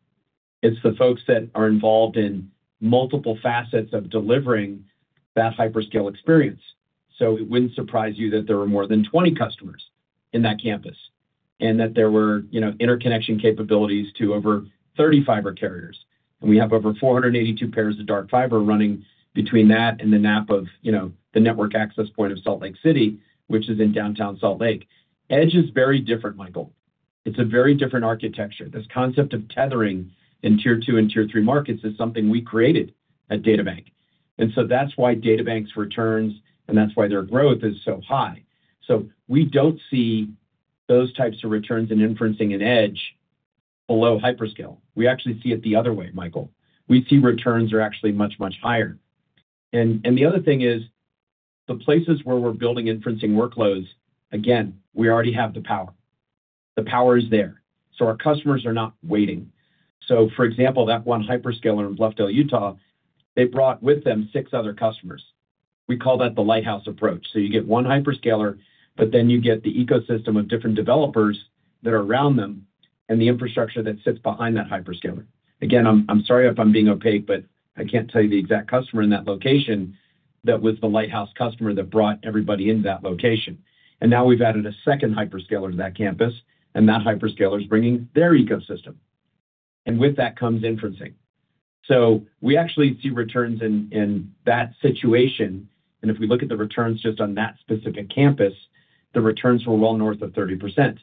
it's the folks that are involved in multiple facets of delivering that hyperscale experience. It wouldn't surprise you that there were more than 20 customers in that campus and that there were, you know, interconnection capabilities to over 30 fiber carriers. We have over 482 pairs of dark fiber running between that and the NAP of, you know, the network access point of Salt Lake City, which is in downtown Salt Lake. Edge is very different, Michael. It's a very different architecture. This concept of tethering in tier 2 and tier 3 markets is something we created at DataBank. That's why DataBank's returns and that's why their growth is so high. We don't see those types of returns in inferencing and edge below hyperscale. We actually see it the other way, Michael. We see returns are actually much, much higher. The other thing is the places where we're building inferencing workloads, again, we already have the power. The power is there, so our customers are not waiting. For example, that one hyperscaler in Bluffdale, Utah, they brought with them six other customers. We call that the Lighthouse approach. You get one hyperscaler, but then you get the ecosystem of different developers that are around them and the infrastructure that sits behind that hyperscaler. I'm sorry if I'm being opaque, but I can't tell you the exact customer in that location. That was the Lighthouse customer that brought everybody in that location. Now we've added a second hyperscaler to that campus and that hyperscaler is bringing their ecosystem and with that comes inferencing. We actually see returns in that situation. If we look at the returns just on that specific campus, the returns were well north of 30%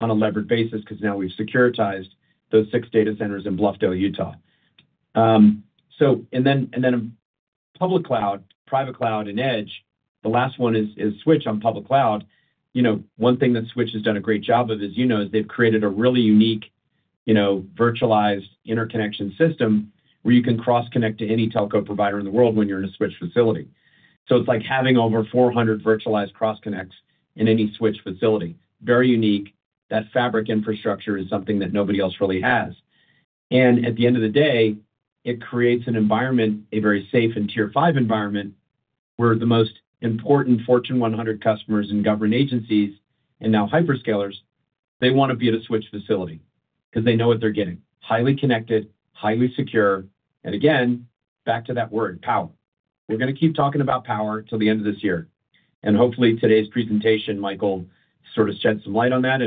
on a levered basis because now we've securitized those six data centers in Bluffdale, Utah. Public Cloud, Private Cloud and Edge. The last one is Switch on public cloud. One thing that Switch has done a great job of, as you know, is they've created a really unique virtualized interconnection system where you can cross connect to any telco provider in the world when you're in a Switch facility. It's like having over 400 virtualized cross connect in any Switch facility. Very unique. That fabric infrastructure is something that nobody else really has. At the end of the day it creates an environment, a very safe and tier 5 environment where the most important Fortune 100 customers and government agencies and now hyperscalers, they want to be in the Switch facility because they know what they're getting. Highly connected, highly secure, and again back to that word, power. We're going to keep talking about power till the end of this year and hopefully today's presentation, Michael, sort of shed some light on that.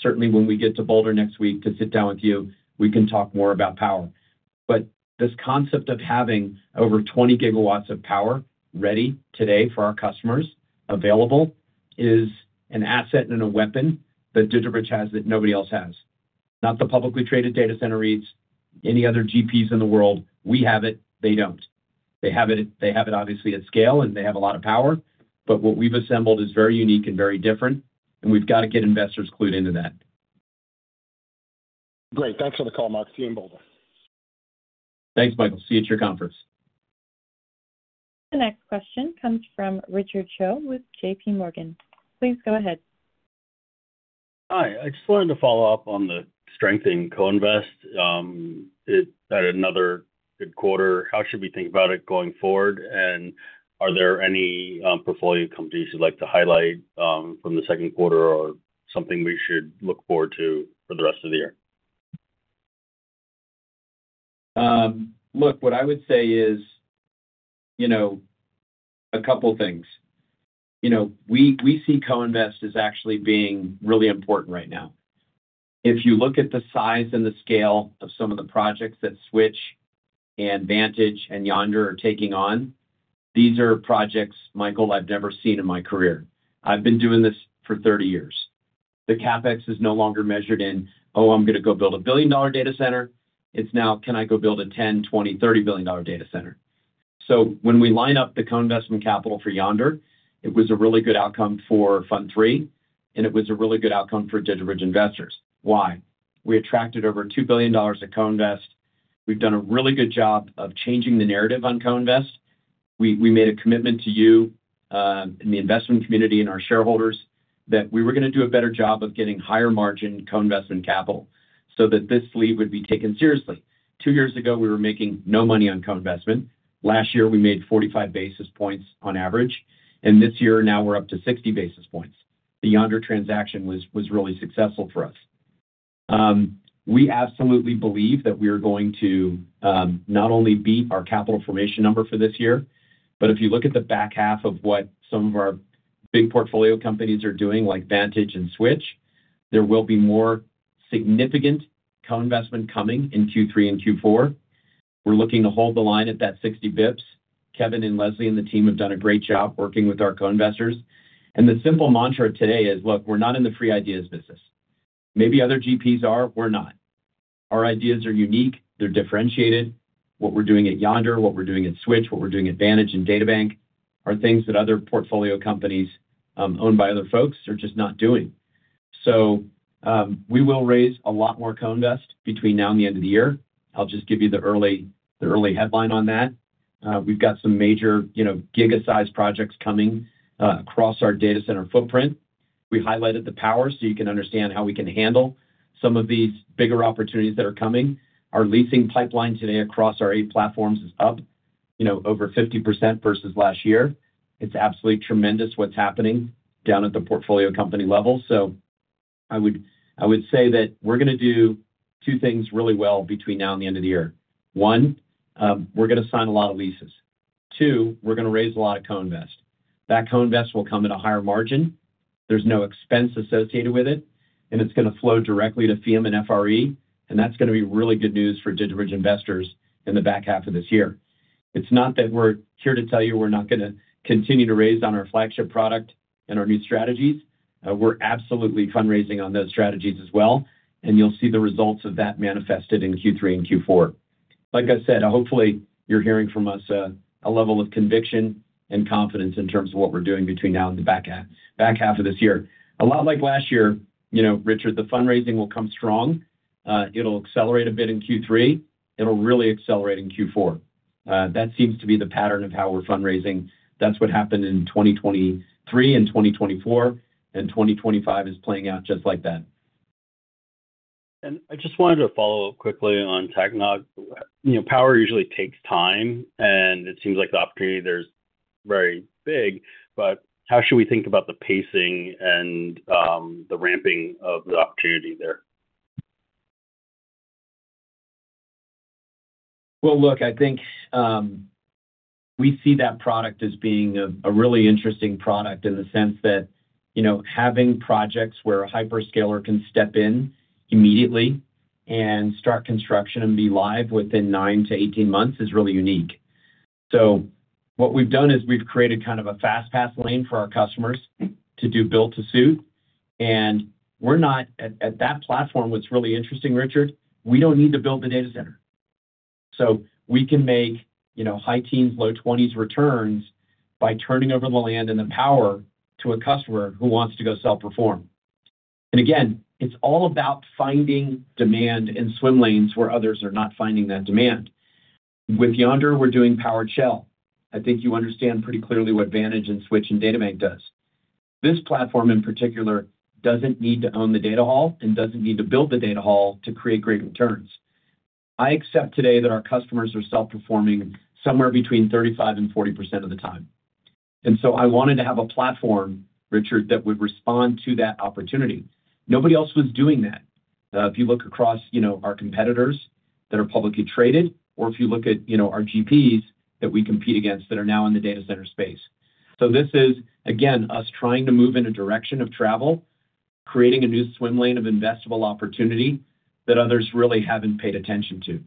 Certainly when we get to Boulder next week to sit down with you, we can talk more about power. This concept of having over 20 GW of power ready today for our customers available is an asset and a weapon that DigitalBridge has that nobody else has. Not the publicly traded data center REITs, any other GPs in the world. We have it, they don't. They have it. They have it obviously at scale and they have a lot of power. What we've assembled is very unique and very different. We've got to get investors clued into that. Great, thanks for the call, Marc. See you in Boulder. Thanks, Michael. See you at your conference. The next question comes from Richard Choe with JPMorgan. Please go ahead. Hi, I just wanted to follow up. On the strengthening co-invest, it had another good quarter. How should we think about it going forward? Are there any portfolio companies you'd like to highlight from the second quarter or something we should look forward to for the rest of the year? What I would say is, you know, a couple of things. We see co-invest as actually being really important right now. If you look at the size and the scale of some of the projects that Switch and Vantage and Yondr are taking on, these are projects, Michael, I've never seen in my career. I've been doing this for 30 years. The CapEx is no longer measured in, oh, I'm going to go build $1 billion data center. It's now can I go build a $10 billion, $20 billion, $30 billion data center? When we line up the co-investment capital for Yondr, it was a really good outcome for Fund III and it was a really good outcome for DigitalBridge investors. We attracted over $2 billion of co-invest. We've done a really good job of changing the narrative on co-invest. We made a commitment to you in the investment community and our shareholders that we were going to do a better job of getting higher margin co-investment capital so that this lead would be taken seriously. Two years ago we were making no money on co-investment. Last year we made 45 basis points on average and this year now we're up to 60 basis points. The Yondr transaction was really successful for us. We absolutely believe that we are going to not only beat our capital formation number for this year, but if you look at the back half of what some of our big portfolio companies are doing like Vantage and Switch, there will be more significant co-investment coming in Q3 and Q4. We're looking to hold the line at that 60 bps. Kevin and Leslie and the team have done a great job working with our co-investors and the simple mantra today is, look, we're not in the free ideas business. Maybe other GPs are, we're not. Our ideas are unique, they're differentiated. What we're doing at Yondr, what we're doing at Switch, what we're doing at Vantage and DataBank are things that other portfolio companies owned by other folks are just not doing. We will raise a lot more co-invest between now and the end of the year. I'll just give you the early headline on that. We've got some major giga-sized projects coming across our data center footprint. We highlighted the power so you can understand how we can handle some of these bigger opportunities that are coming. Our leasing pipeline today across our eight platforms is up over 50% versus last year. It's absolutely tremendous. What's happening down at the portfolio company level. I would say that we're going to do two things really well between now and the end of the year. One, we're going to sign a lot of leases. Two, we're going to raise a lot of co-invest. That co-invest will come at a higher margin. There's no expense associated with it and it's going to flow directly to FEEUM and FRE and that's going to be really good news for DigitalBridge investors in the back half of this year. It's not that we're here to tell you we're not going to continue to raise on our flagship product and our new strategies. We're absolutely fundraising on those strategies as well. You'll see the results of that manifested in Q3 and Q4. Like I said, hopefully you're hearing from us a level of conviction and confidence in terms of what we're doing between now and the back half of this year. A lot like last year, you know, Richard, the fundraising will come strong. It'll accelerate a bit in Q3, it'll really accelerate in Q4. That seems to be the pattern of how we're fundraising. That's what happened in 2023 and 2024 and 2025 is playing out just like that. I just wanted to follow up. Quickly on Takanock, power usually takes time and it seems like the opportunity there is very big. How should we think about the pacing and the ramping of the reader. I think we see that product as being a really interesting product in the sense that, you know, having projects where a hyperscaler can step in immediately and start construction and be live within nine to 18 months is really unique. What we've done is we've created kind of a fast path lane for our customers to do built to suit and we're not at that platform. What's really interesting, Richard, we don't need to build the data center so we can make, you know, high teens, low 20s returns by turning over the land and the power to a customer who wants to go self perform. It's all about finding demand in swim lanes where others are not finding that demand. With Yondr we're doing power shell, I think you understand pretty clearly what Vantage and Switch and DataBank does. This platform in particular doesn't need to own the data hall and doesn't need to build the data hall to create great returns. I accept today that our customers are self performing somewhere between 35% and 40% of the time. I wanted to have a platform, Richard, that would respond to that opportunity. Nobody else was doing that. If you look across our competitors that are publicly traded or if you look at our GPs that we compete against that are now in the data center space. This is again us trying to move in a direction of travel, creating a new swim lane of investable opportunity that others really haven't paid attention to.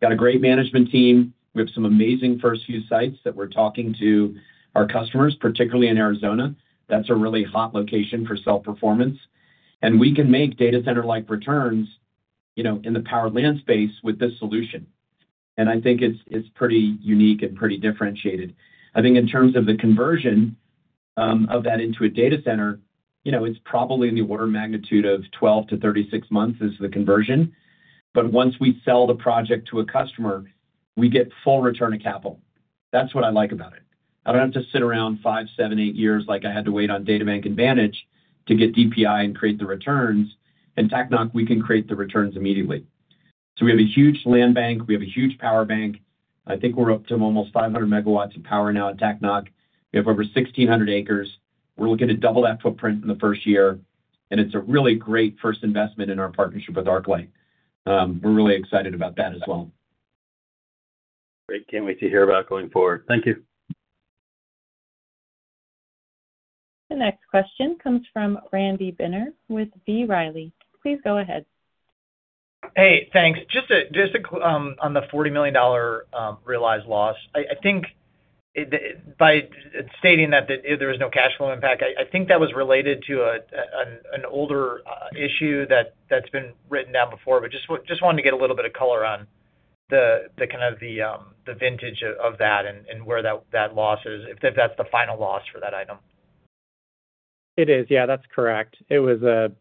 Got a great management team. We have some amazing first few sites that we're talking to our customers, particularly in Arizona. That's a really hot location for self performance. We can make data center-like returns in the power land space with this solution. I think it's pretty unique and pretty differentiated. I think in terms of the conversion of that into a data center, it's probably in the order of magnitude of 12 months-36 months is the conversion. Once we sell the project to a customer, we get full return of capital. That's what I like about it. I don't have to sit around five, seven, eight years like I had to wait on DataBank and Vantage to get DPI and create the returns. In Takanock, we can create the returns immediately. We have a huge land bank, we have a huge power bank. I think we're up to almost 500 MW of power now at Takanock. We have over 1,600 acres. We're looking to double that footprint in the first year. It's a really great first investment in our partnership with ArcLight. We're really excited about that as well. Great. Can't wait to hear about going forward. Thank you. The next question comes from Randy Binner with B. Riley. Please go ahead. Hey, thanks. Just on the $40 million realized loss, I think by stating that there is no cash flow impact, I think that was related to an older issue that's been written down before. Just wanted to get a little bit of color on the vintage of that and where that loss is, if that's the final loss for that item. It is, yeah, that's correct. It was an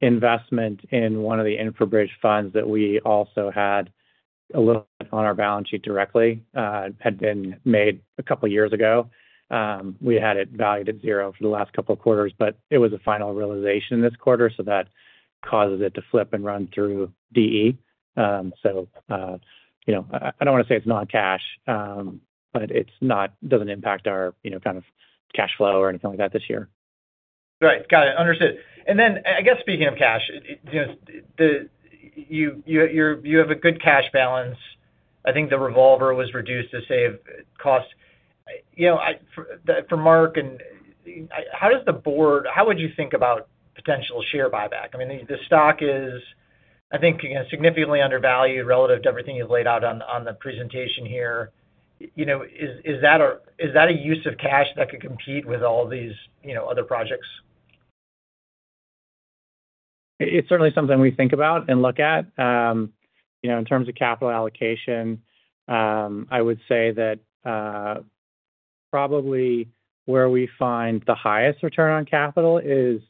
investment in one of the infrabridge funds that we also had a little on our balance sheet directly had been made a couple years ago. We had it valued at zero for the last couple of quarters. It was a final realization this quarter. That causes it to flip and run through de. I don't want to say it's not cash, but it doesn't impact our kind of cash flow or anything like that this year. Right. Got it. Understood. I guess speaking of cash. You have a good cash balance. I think the revolver was reduced to save costs for Marc. How does the board, how would. You think about potential share buyback? I mean, the stock is, I think. Significantly undervalued relative to everything you've laid out on the presentation here. Is that a use of cash that could compete with all these other projects? it's certainly something we think about and look at in terms of capital allocation. I would say that probably where we find the highest return on capital is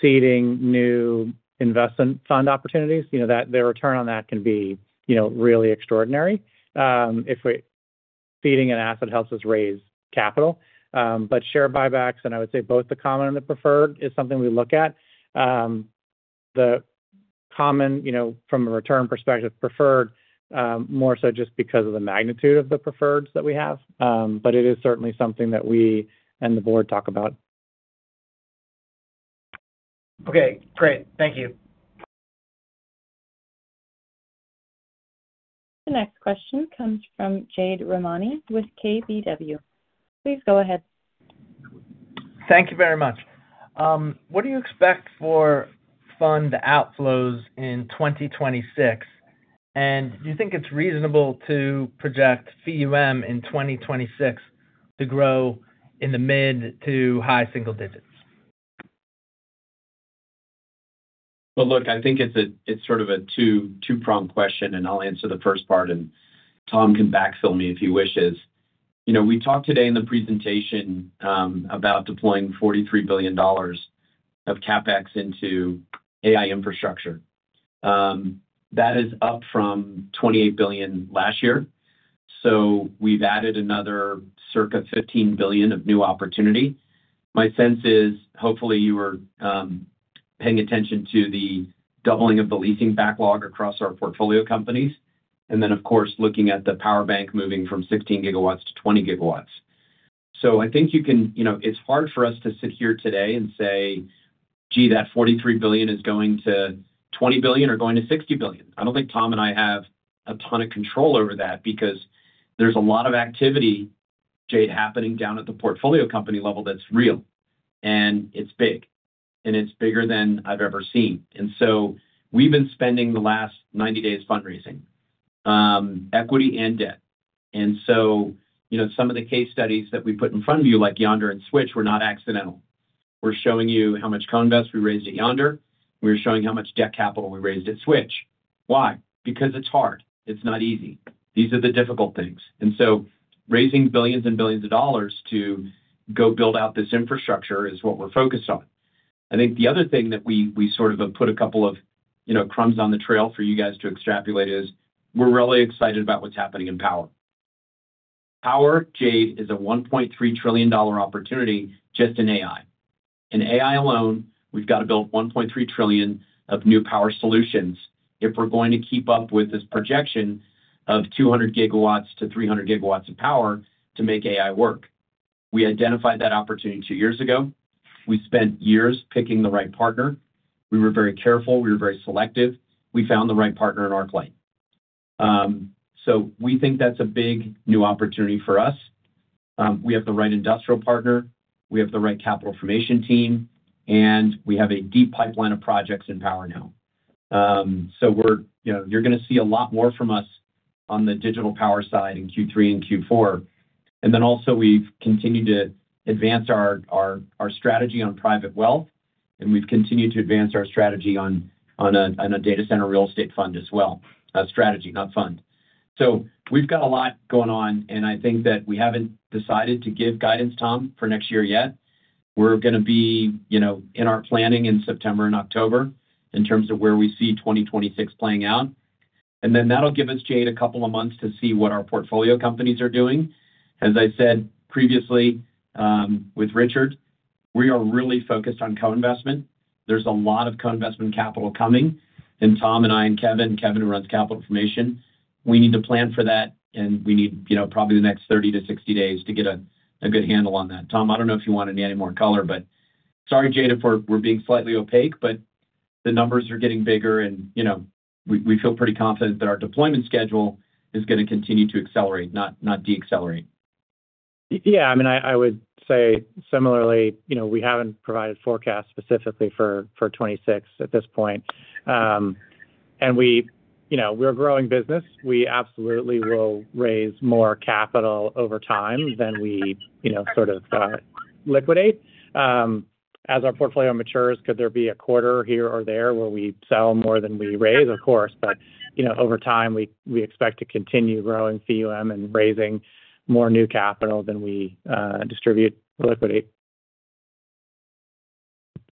seeding new investment fund opportunities. The return on that can be really extraordinary if feeding an asset helps us raise capital. Share buybacks, and I would say both the common and the preferred, is something we look at. The common from a return perspective, preferred more so just because of the magnitude of the preferreds that we have. It is certainly something that we and the board talk about. Okay, great, thank you. The next question comes from Jade Rahmani with KBW. Please go ahead. Thank you very much. What do you expect for fund outflows in 2026? Do you think it's reasonable to project FEEUM in 2026 to grow in the mid to high single digits? I think it's sort of a two-pronged question and I'll answer the first part and Tom can backfill me if he wishes. You know, we talked today in the presentation about deploying $43 billion of CapEx into AI infrastructure. That is up from $28 billion last year, so we've added another circa $15 billion of new opportunity. My sense is hopefully you were paying attention to the doubling of the leasing backlog across our portfolio companies. Of course, looking at the secured power bank moving from 16 GW-20 GW. I think you can, you know, it's hard for us to sit here today and say, gee, that $43 billion is going to $20 billion or going to $60 billion. I don't think Tom and I have a ton of control over that because there's a lot of activity, Jade, happening down at the portfolio company level. That's real and it's big and it's bigger than I've ever seen. We've been spending the last 90 days fundraising equity and debt. Some of the case studies that we put in front of you like Yondr and Switch were not accidental. We're showing you how much convest we raised at Yondr. We were showing how much debt capital we raised at Switch. Why? Because it's hard. It's not easy. These are the difficult things. Raising billions and billions of dollars to go build out this infrastructure is what we're focused on. I think the other thing that we sort of have put a couple of, you know, crumbs on the trail for you guys to extrapolate is we're really excited about what's happening in power. Power, Jade, is a $1.3 trillion opportunity just in AI. In AI alone, we've got to build $1.3 trillion of new power solutions if we're going to keep up with this projection of 200 GW-300 GW of power to make AI work. We identified that opportunity two years ago. We spent years picking the right partner. We were very careful, we were very selective. We found the right partner in our client. We think that's a big new opportunity for us. We have the right industrial partner, we have the right capital formation team, and we have a deep pipeline of projects in Power now. You're going to see a lot more from us on the digital power side in Q3 and Q4. We've continued to advance our strategy on private wealth and we've continued to advance our strategy on a data center real estate strategy as well. We've got a lot going on and I think that we haven't decided to give guidance, Tom, for next year yet. We're going to be in our planning in September and October in terms of where we see 2026 playing out. That'll give us, Jade, a couple of months to see what our portfolio companies are doing. As I said previously with Richard, we are really focused on co-investment. There's a lot of co-investment capital coming and Tom and I and Kevin, Kevin, who runs Capital Information, we need to plan for that and we need probably the next 30 days-60 days to get a good handle on that. Tom, I don't know if you want any more color, but sorry, Jade, for being slightly opaque, but the numbers are getting bigger and we feel pretty confident that our deployment schedule is going to continue to accelerate, not decelerate. Yeah, I mean, I would say similarly, we haven't provided forecasts specifically for 2026 at this point. We are a growing business, we absolutely will raise more capital over time than we sort of liquidate as our portfolio matures. Could there be a quarter here or there where we sell more than we raise? Of course, over time we expect to continue growing AUM and raising more new capital than we distribute for liquidity.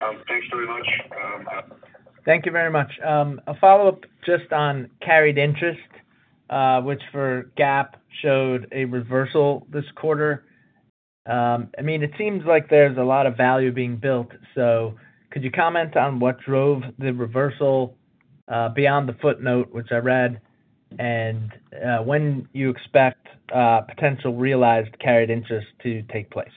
Thank you very much. A follow-up just on carried interest, which for GAAP showed a reversal this quarter. It seems like there's a lot of value being built. Could you comment on what drove the reversal beyond the footnote, which I read, and when you expect potential realized carried interest to take place?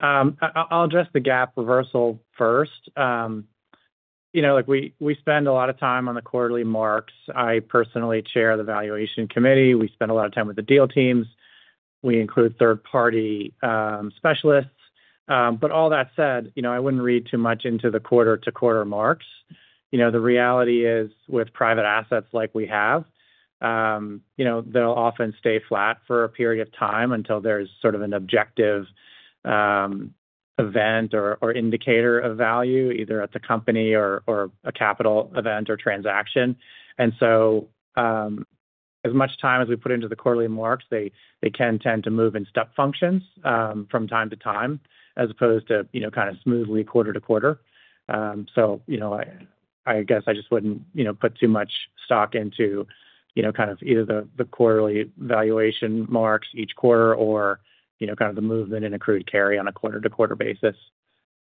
I'll address the gap reversal first. We spend a lot of time on the quarterly marks. I personally chair the valuation committee. We spend a lot of time with the deal teams, we include third-party specialists. All that said, I wouldn't read too much into the quarter-to-quarter marks. The reality is with private assets like we have, they'll often stay flat for a period of time until there's sort of an objective event or indicator of value either at the company or a capital event or transaction. As much time as we put into the quarterly marks, they can tend to move in step functions from time to time as opposed to kind of smoothly quarter-to-quarter. I guess I just wouldn't put too much stock into either the quarterly valuation marks each quarter or the movement in accrued carry on. On a quarter-to-quarter basis.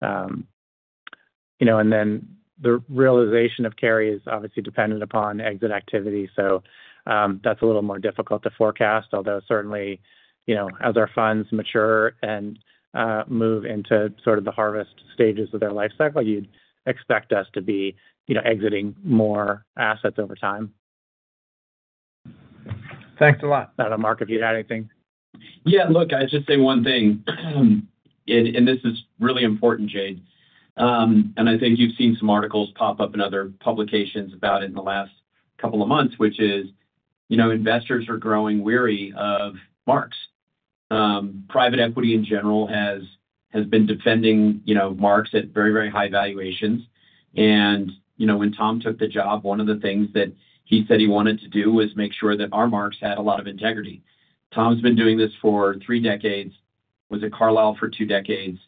You know, the realization of carry is obviously dependent upon exit activity. That's a little more difficult to forecast. Although certainly, as our funds mature and move into sort of the harvest stages of their life cycle, you'd expect us to be exiting more assets over time. Thanks a lot, Marc, if you'd add anything. Yeah, look, I'll just say one thing and this is really important, Jade. I think you've seen some articles pop up in other publications about it in the last couple of months, which is, you know, investors are growing weary of marks. Private equity in general has been defending, you know, marks at very, very high valuations. When Tom took the job, one of the things that he said he wanted to do was make sure that our marks had a lot of integrity. Tom's been doing this for three decades, was at Carlyle for two decades,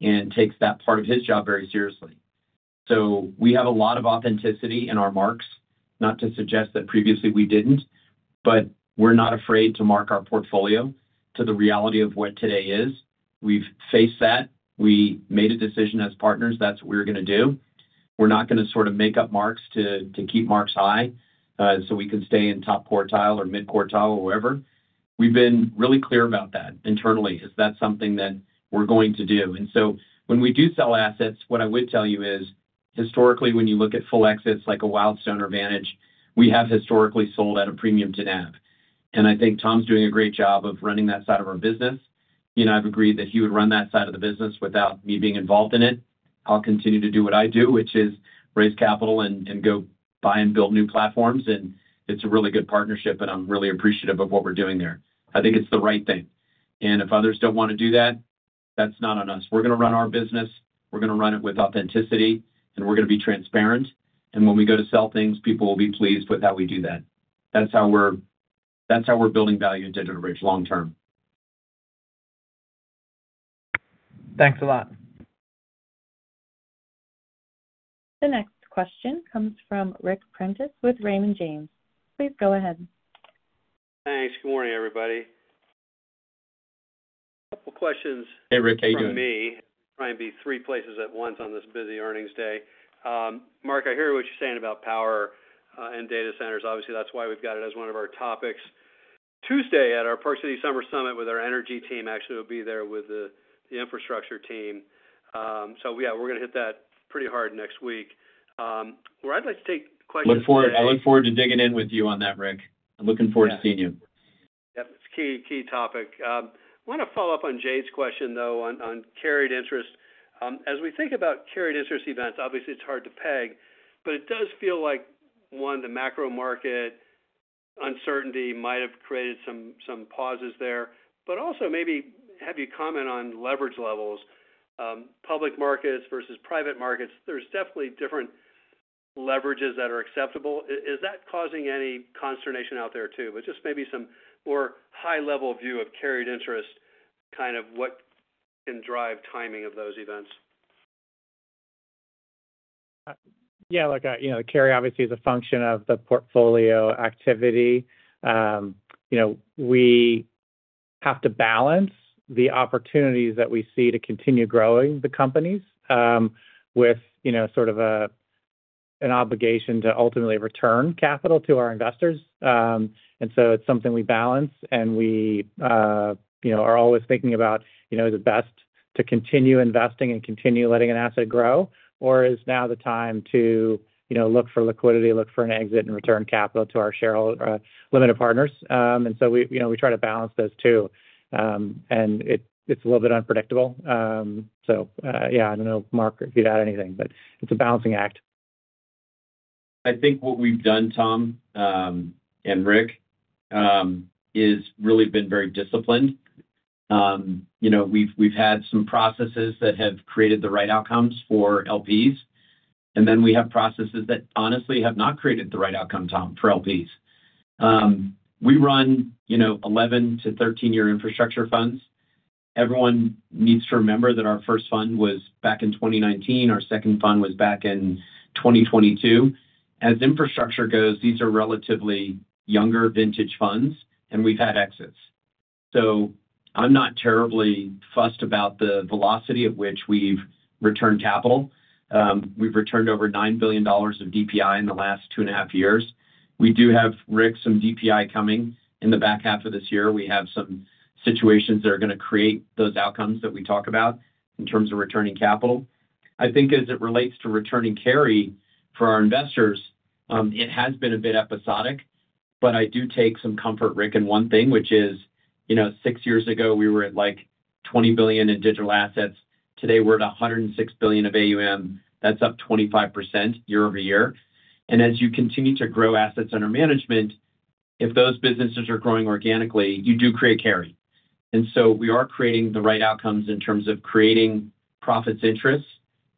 and takes that part of his job very seriously. We have a lot of authenticity in our marks. Not to suggest that previously we didn't, but we're not afraid to mark our portfolio to the reality of what today is. We've faced that, we made a decision as partners, that's what we're going to do. We're not going to sort of make up marks to keep marks high so we can stay in top quartile or mid quartile or wherever. We've been really clear about that internally. Is that something that we're going to do? When we do sell assets, what I would tell you is historically, when you look at full exits like a Wildstone, Vantage, we have historically sold at a premium to that. I think Tom's doing a great job of running that side of our business and I've agreed that he would run that side of the business without me being involved in it. I'll continue to do what I do, which is raise capital and go buy and build new platforms, and it's a really good partnership and I'm really appreciative of what we're doing there. I think it's the right thing. If others don't want to do that, that's not on us. We're going to run our business. We're going to run it with authenticity and we're going to be transparent. When we go to sell things, people will be pleased with how we do that. That's how we're building value at DigitalBridge long term. Thanks a lot. The next question comes from Rick Prentiss with Raymond James. Please go ahead. Thanks. Good morning, everybody. Couple questions from me. Trying to be three places at once on this busy earnings day. Marc, I hear what you're saying about power and data centers. Obviously that's why we've got it as one of our topics Tuesday at our Park City Summer Summit with our energy team. Actually, we'll be there with the infrastructure team. We're going to hit that pretty hard next week. Where I'd like to take it. I look forward to digging in with you on that, Rick. I'm looking forward to seeing you. It's a key topic. We. I want to follow up on Jade's question on carried interest. As we think about carried interest events, obviously it's hard to peg, but it does feel like one. The macro market uncertainty might have created some pauses there, but also maybe have you comment on leverage levels, public markets versus private markets. There's definitely different leverages that are acceptable. Is that causing any consternation out there too? Just maybe some high level view of carried interest, kind of what can drive timing of those events? Yeah, carry obviously is a function of the portfolio activity. We have to balance the opportunities that we see to continue growing the companies with sort of an obligation to ultimately return capital to our investors. It's something we balance and we are always thinking about, is it best to continue investing and continue letting an asset grow or is now the time to look for liquidity, look for an exit and return capital to our shareholder limited partners. We try to balance those two and it's a little bit unpredictable. I don't know, Marc, if you'd add anything. It's a balancing act. I think what we've done, Tom and Rick, is really been very disciplined. We've had some processes that have created the right outcomes for LPs and then we have processes that honestly have not created the right outcome. Tom, for LPs, we run 11 year-13 year infrastructure funds. Everyone needs to remember that. Our first fund was back in 2019. Our second fund was back in 2022. As infrastructure goes, these are relatively younger vintage funds and we've had exits. I'm not terribly fussed about the velocity at which we've returned capital. We've returned over $9 billion of DPI in the last 2.5 years. We do have, Rick, some DPI coming in the back half of this year. We have some situations that are going to create those outcomes that we talk about in terms of returning capital. I think as it relates to returning carry for our investors, it has been a bit episodic. I do take some comfort, Rick, in one thing which is six years ago we were at like $20 billion in digital assets. Today we're at $106 billion of AUM. That's up 25% year-over-year. As you continue to grow assets under management, if those businesses are growing organically, you do create carry. We are creating the right outcomes in terms of creating profits interests.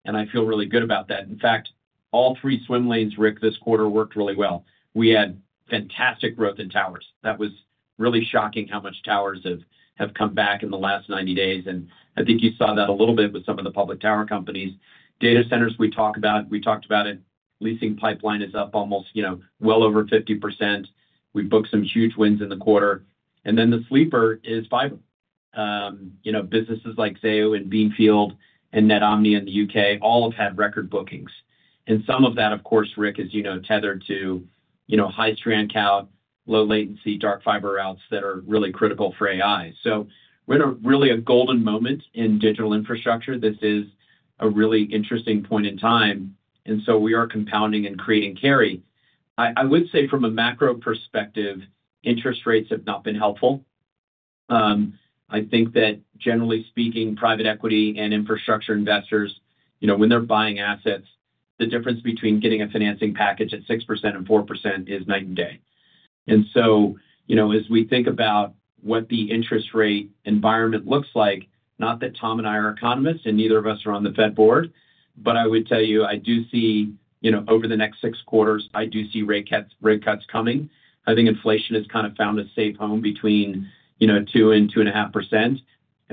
I feel really good about that. In fact, all three swim lanes, Rick, this quarter worked really well. We had fantastic growth in towers. That was really shocking how much towers have come back in the last 90 days. I think you saw that a little bit with some of the public tower companies, data centers. We talked about it. Leasing pipeline is up almost well over 50%. We booked some huge wins in the quarter and then the sleeper is fiber. Businesses like Zayo and Beanfield and Netomnia in the U.K. all have had record bookings. Some of that, of course, Rick, is tethered to high strand count, low latency, dark fiber routes that are really critical for AI. We're in a really a golden moment in digital infrastructure. This is a really interesting point in time. We are compounding and creating carry. I would say from a macro perspective, interest rates have not been helpful. I think that generally speaking, private equity and infrastructure investors, when they're buying assets, the difference between getting a financing package at 6% and 4% is night and day. As we think about what the interest rate environment looks like, not that Tom and I are economists and neither of us are on the Fed board, I would tell you, I do see over the next six quarters, I do see rate cuts coming. I think inflation has kind of found a safe home between 2% and 2.5%.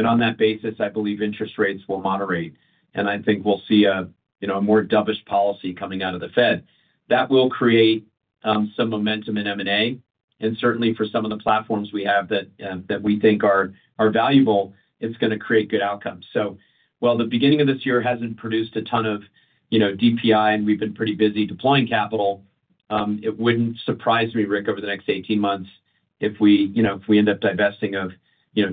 On that basis, I believe interest rates will moderate and I think we'll see a more dovish policy coming out of the Fed that will create some momentum in M&A and certainly for some of the platforms we have that we think are valuable, it's going to create good outcomes. While the beginning of this year hasn't produced a ton of DPI and we've been pretty busy deploying capital, it wouldn't surprise me, Rick, over the next 18 months if we end up divesting of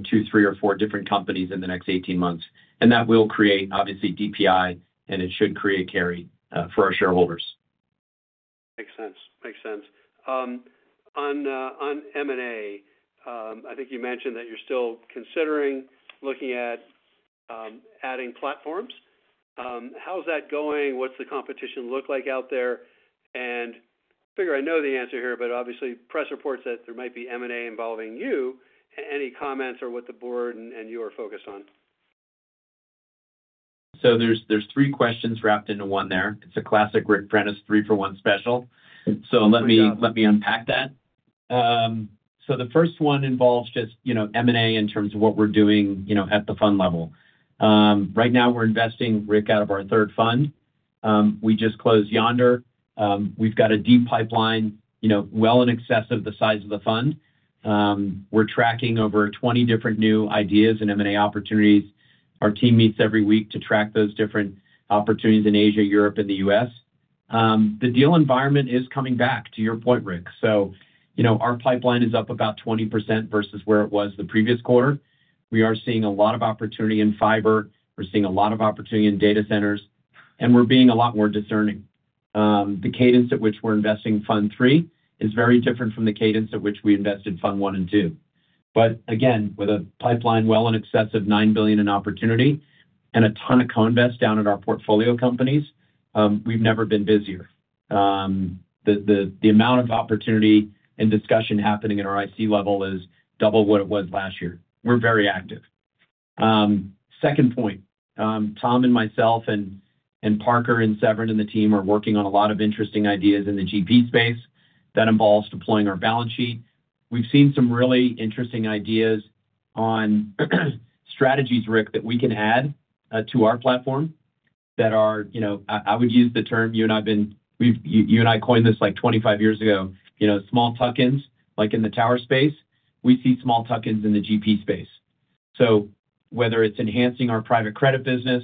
two, three or four different companies in the next 18 months and that will create, obviously, DPI and it should create carry for our shareholders. Makes sense. Makes sense on M&A. I think you mentioned that you're still considering looking at adding platforms. How's that going? What's the competition look like out there? I know the answer here, but obviously press reports that there might be M&A involving you. Any comments or what the board and you are focused on? There are three questions wrapped into one there. It's a classic Rick Prentiss three for one special. Let me unpack that. The first one involves just M&A in terms of what we're doing at the fund level. Right now we're investing, Rick, out of our third fund. We just closed Yondr. We've got a deep pipeline, well in excess of the size of the fund. We're tracking over 20 different new ideas and M&A opportunities. Our team meets every week to track those different opportunities in Asia, Europe, and the U.S. The deal environment is coming back to your point, Rick. Our pipeline is up about 20% versus where it was the previous quarter. We are seeing a lot of opportunity in fiber, we're seeing a lot of opportunity in data centers, and we're being a lot more discerning. The cadence at which we're investing Fund III is very different from the cadence at which we invested in Fund I and Fund II. With a pipeline well in excess of $9 billion in opportunity and a ton of co-invest down at our portfolio companies, we've never been busier. The amount of opportunity and discussion happening at our IC level is double what it was last year. We're very active. Second point, Tom and myself and Parker and Severin and the team are working on a lot of interesting ideas in the GP space that involves deploying our balance sheet. We've seen some really interesting ideas on strategies, Rick, that we can add to our platform that are, I would use the term you and I coined like 25 years ago, small tuck-ins, like in the tower space. We see small tuck-ins in the GP space. Whether it's enhancing our private credit business,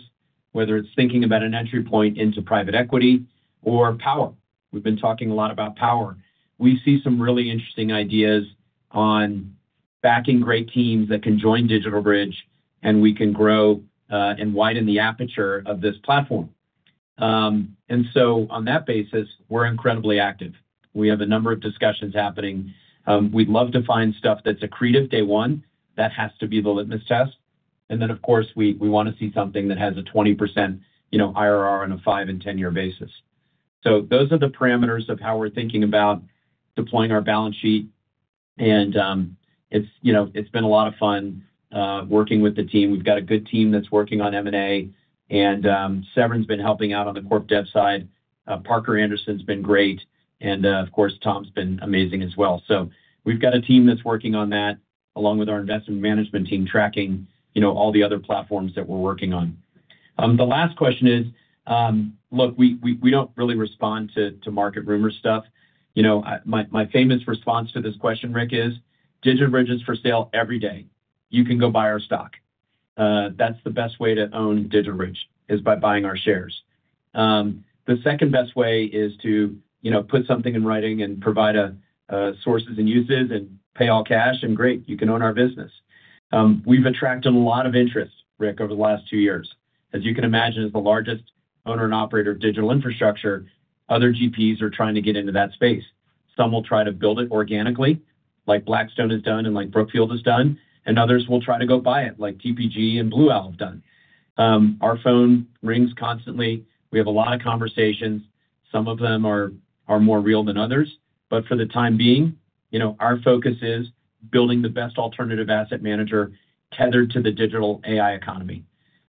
whether it's thinking about an entry point into private equity or power, we've been talking a lot about power. We see some really interesting ideas on backing great teams that can join DigitalBridge and we can grow and widen the aperture of this platform. On that basis, we're incredibly active. We have a number of discussions happening. We'd love to find stuff that's accretive day one. That has to be the litmus test. Of course, we want to see something that has a 20% IRR on a five year and 10 year basis. Those are the parameters of how we're thinking about deploying our balance sheet. It's been a lot of fun working with the team. We've got a good team that's working on M&A and Severin's been helping out on the corp dev side. Parker Anderson's been great and of course Tom's been amazing as well. We've got a team that's working on that along with our investment management team tracking all the other platforms that we're working on. The last question is, look, we don't really respond to market rumor stuff. You know my famous response to this question, Rick, is DigitalBridge is for sale every day you can go buy our stock. That's the best way to own DigitalBridge is by buying our shares. The second best way is to, you know, put something in writing and provide a sources and uses and pay all cash and great, you can own our business. We've attracted a lot of interest, Rick, over the last two years, as you can imagine, as the largest owner and operator of digital infrastructure. Other GPs are trying to get into that space. Some will try to build it organically like Blackstone has done and like Brookfield has done. Others will try to go buy it like TPG and Blue Owl have done. Our phone rings constantly. We have a lot of conversations. Some of them are more real than others. For the time being, our focus is building the best alternative asset manager tethered to the digital AI economy.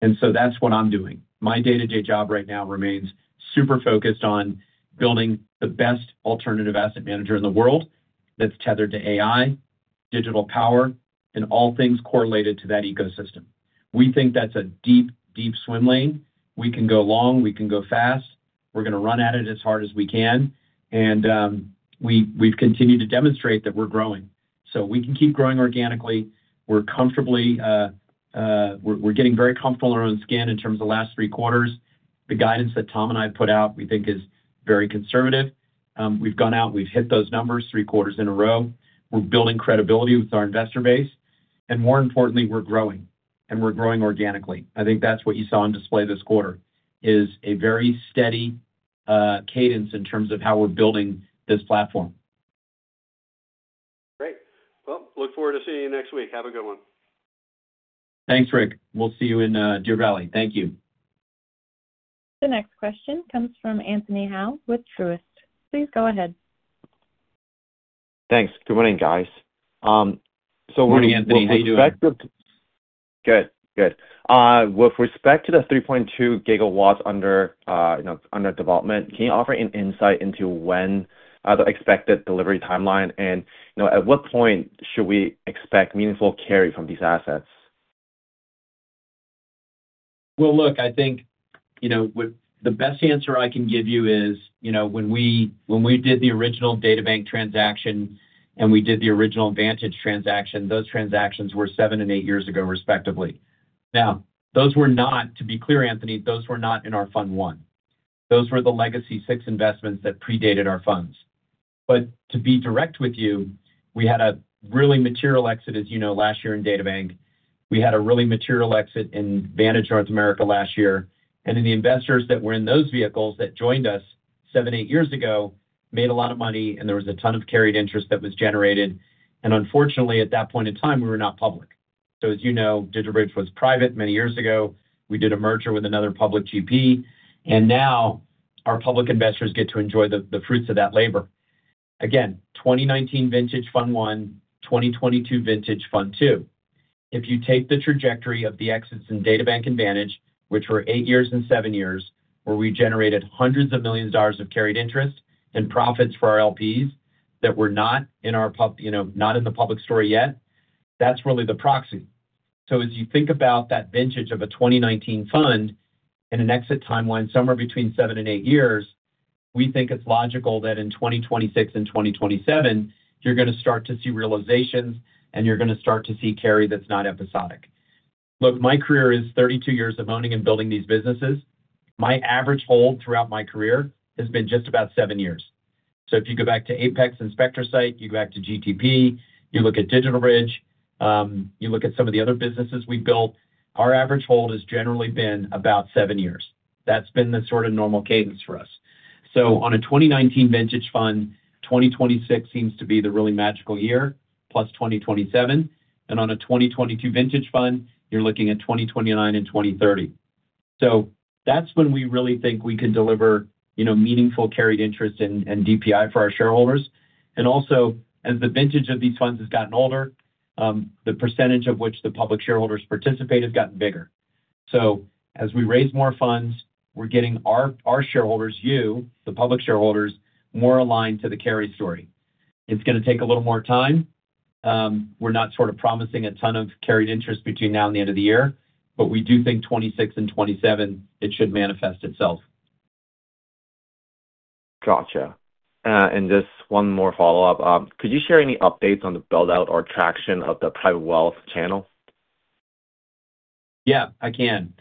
That's what I'm doing. My day to day job right now remains super focused on building the best alternative asset manager in the world that's tethered to AI, digital power and all things correlated to that ecosystem. We think that's a deep, deep swim lane. We can go long, we can go fast. We're going to run at it as hard as we can. We've continued to demonstrate that we're growing so we can keep growing organically. We're getting very comfortable around scan. In terms of last three quarters, the guidance that Tom and I put out we think is very conservative. We've gone out, we've hit those numbers three quarters in a row. We're building credibility with our investor base and more importantly, we're growing and we're growing organically. I think that's what you saw on display this quarter is a very steady cadence in terms of how we're building this platform. Great. Look forward to seeing you next week. Have a good one. Thanks, Rick. We'll see you in Deer Valley. Thank you. The next question comes from Anthony Hau with Truist. Please go ahead. Thanks. Good morning, guys. Morning, Anthony. How you doing? Good, good. With respect to the 3.2 GW under development, can you offer an insight into when, the expected delivery timeline and at what point should we expect meaningful carry from these assets? I think the best answer I can give you is, when we did the original DataBank transaction and we did the original Vantage transaction, those transactions were seven and eight years ago respectively. Those were not, to be clear, Anthony, those were not in our Fund I, those were the legacy six investments that predated our funds. To be direct with you, we had a really material exit, as you know, last year in DataBank. We had a really material exit in Vantage Yards America last year. The investors that were in those vehicles that joined us seven, eight years ago made a lot of money and there was a ton of carried interest that was generated. Unfortunately, at that point in time we were not public. As you know, DigitalBridge was private. Many years ago we did a merger with another public GP and now our public investors get to enjoy the fruits of that labor again. 2019 vintage Fund I, 2022 vintage Fund II. If you take the trajectory of the exits in DataBank and Vantage, which were eight years and seven years where we generated hundreds of millions of dollars of carried interest and profits for our LPs that were not in our public store yet, that's really the proxy. As you think about that vintage of a 2019 fund and an exit timeline somewhere between seven and eight years, we think it's logical that in 2026 and 2027 you're going to start to see realizations and you're going to start to see carry that's not episodic. My career is 32 years of owning and building these businesses. My average hold throughout my career has been just about seven years. If you go back to Apex, Inspector Site, you go back to GTP, you look at DigitalBridge, you look at some of the other businesses we built, our average hold has generally been about seven years. That's been the sort of normal cadence for us. On a 2019 vintage fund, 2026 seems to be the really magical year plus 2027. On a 2022 vintage fund, you're looking at 2029 and 2030. That's when we really think we can deliver meaningful carried interest and DPI for our shareholders. As the vintage of these funds has gotten older, the percentage of which the public shareholders participate has gotten bigger. As we raise more funds, we're getting our shareholders, you, the public shareholders, more aligned to the carry story. It's going to take a little more time. We're not sort of promising a ton of carried interest between now and the end of the year, but we do think 2026 and 2027, it should manifest itself. Gotcha. Just one more follow up. Could you share any updates on the build out or traction of the private wealth channel? Yeah, I can.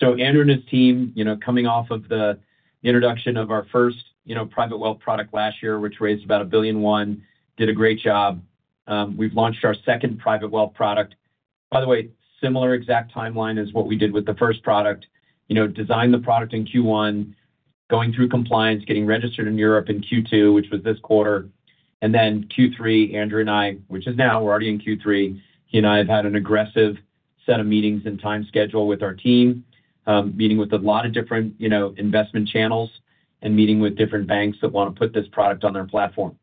Andrew and his team, coming off of the introduction of our first private wealth product last year, which raised about $1 billion, did a great job. We've launched our second private wealth product. By the way, similar exact timeline as what we did with the first product. Design the product in Q1, going through compliance, getting registered in Europe in Q2, which was this quarter. In Q3, Andrew and I, which is now, we're already in Q3. He and I have had an aggressive set of meetings and time schedule with our team, meeting with a lot of different investment channels and meeting with different banks that want to put this product on their platform.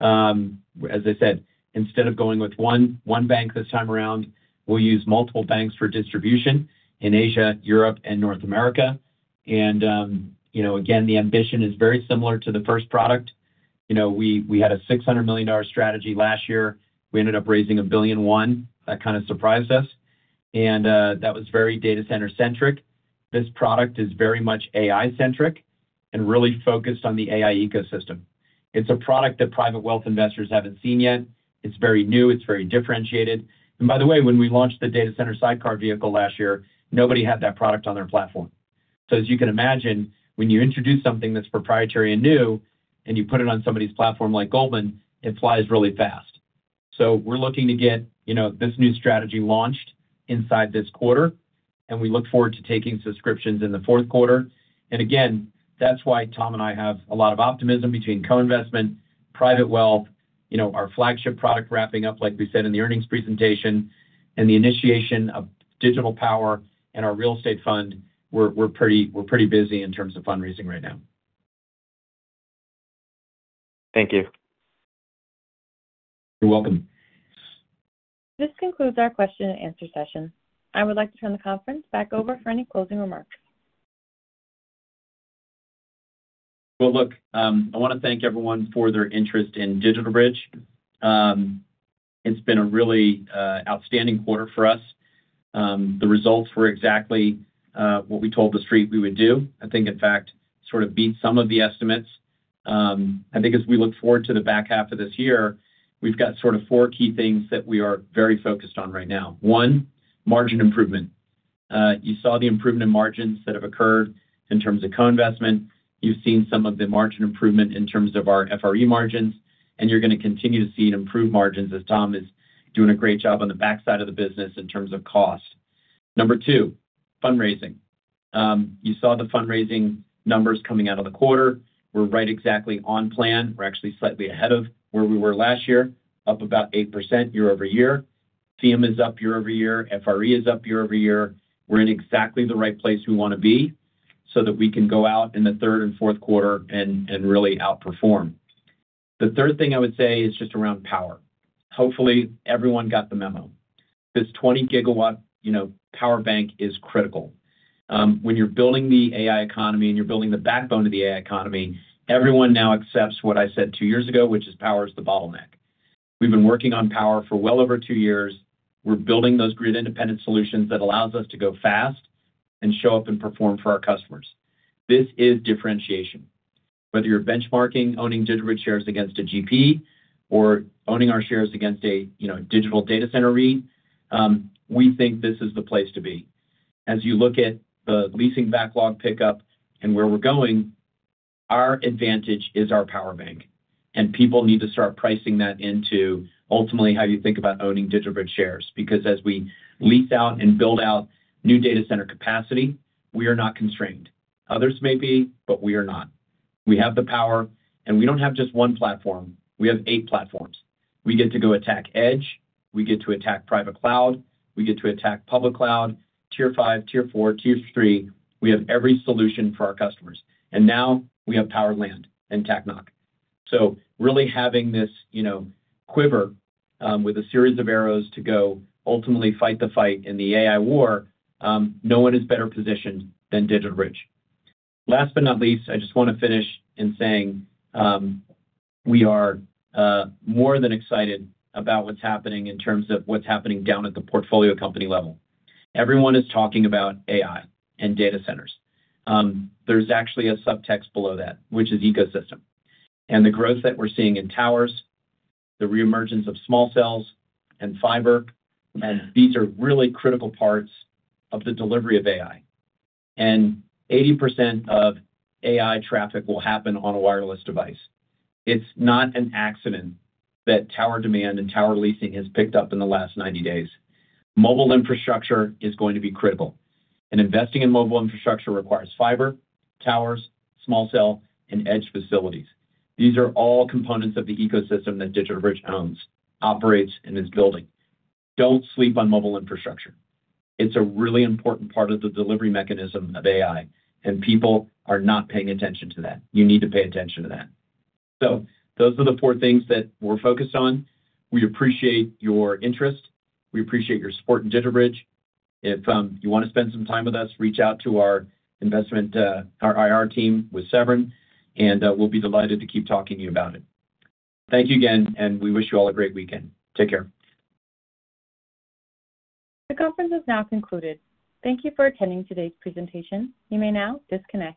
As I said, instead of going with one bank this time around, we'll use multiple banks for distribution in Asia, Europe, and North America. The ambition is very similar to the first product. We had a $600 million strategy last year. We ended up raising $1 billion. That kind of surprised us, and that was very data center centric. This product is very much AI centric and really focused on the AI ecosystem. It's a product that private wealth investors haven't seen yet. It's very new, it's very differentiated. By the way, when we launched the data center sidecar vehicle last year, nobody had that product on their platform. As you can imagine, when you introduce something that's proprietary and new and you put it on somebody's platform like Goldman, it flies really fast. We're looking to get this new strategy launched inside this quarter, and we look forward to taking subscriptions in the fourth quarter. That is why Tom and I have a lot of optimism between co-investment, private wealth, our flagship product wrapping up, like we said in the earnings presentation, and the initiation of Digital Power and our real estate fund. We are pretty busy in terms of fundraising right now. Thank you. You're welcome. This concludes our question and answer session. I would like to turn the conference back over for any closing remarks. I want to thank everyone for their interest in DigitalBridge. It's been a really outstanding quarter for us. The results were exactly what we told the street we would do. I think, in fact, sort of beat some of the estimates. I think as we look forward to the back half of this year, we've got sort of four key things that we are very focused on right now. One, margin improvement. You saw the improvement in margins that have occurred in terms of co-investment. You've seen some of the margin improvement in terms of our FRE margins and you're going to continue to see improved margins as Tom is doing a great job on the backside of the business in terms of cost. Number two, fundraising. You saw the fundraising numbers coming out of the quarter. We're right exactly on plan. We're actually slightly ahead of where we were last year, up about 8% year-over-year. FEEUM is up year-over-year. FRE is up year-over-year. We're in exactly the right place we want to be so that we can go out in the third and fourth quarter and really outperform. The third thing I would say is just around power. Hopefully everyone got the memo. This 20 GW power bank is critical when you're building the AI economy and you're building the backbone of the AI economy. Everyone now accepts what I said two years ago, which is power is the bottleneck. We've been working on power for well over two years. We're building those grid-independent solutions that allow us to go fast and show up and perform for our customers. This is differentiation whether you're benchmarking owning DigitalBridge against a GP or owning our shares against a digital data center REIT. We think this is the place to be. As you look at the leasing, backlog, pickup and where we're going, our advantage is our power bank and people need to start pricing that into ultimately how you think about owning DigitalBridge shares. Because as we lease out and build out new data center capacity, we are not constrained. Others may be borrowed, but we are not. We have the power and we don't have just one platform. We have eight platforms. We get to go attack edge, we get to attack private cloud, we get to attack public cloud. Tier 5, tier 4, tier 3. We have every solution for our customers and now we have power, land and Takanock. So really having this quiver with a series of arrows to go ultimately fight the fight in the AI war. No one is better positioned than DigitalBridge. Last but not least, I just want to finish in saying we are more than excited about what's happening in terms of what's happening down at the portfolio company level. Everyone is talking about AI and data centers. There's actually a subtext below that which is ecosystem and the growth that we're seeing in towers, the reemergence of small cells and fiber, and these are really critical parts of the delivery of AI. 80% of AI traffic will happen on a wireless device. It's not an accident that tower demand and tower leasing has picked up in the last 90 days. Mobile infrastructure is going to be critical. Investing in mobile infrastructure requires fiber, towers, small cell, and edge facilities. These are all components of the ecosystem that DigitalBridge owns, operates, and is building. Don't sleep on mobile infrastructure. It's a really important part of the delivery mechanism of AI, and people are not paying attention to that. You need to pay attention to that. Those are the four things that we're focused on. We appreciate your interest. We appreciate your support in DigitalBridge. If you want to spend some time with us, reach out to our investment, our IR team with Severin, and we'll be delighted to keep talking to you about it. Thank you again, and we wish you all a great weekend. Take care. The conference has now concluded. Thank you for attending today's presentation. You may now disconnect.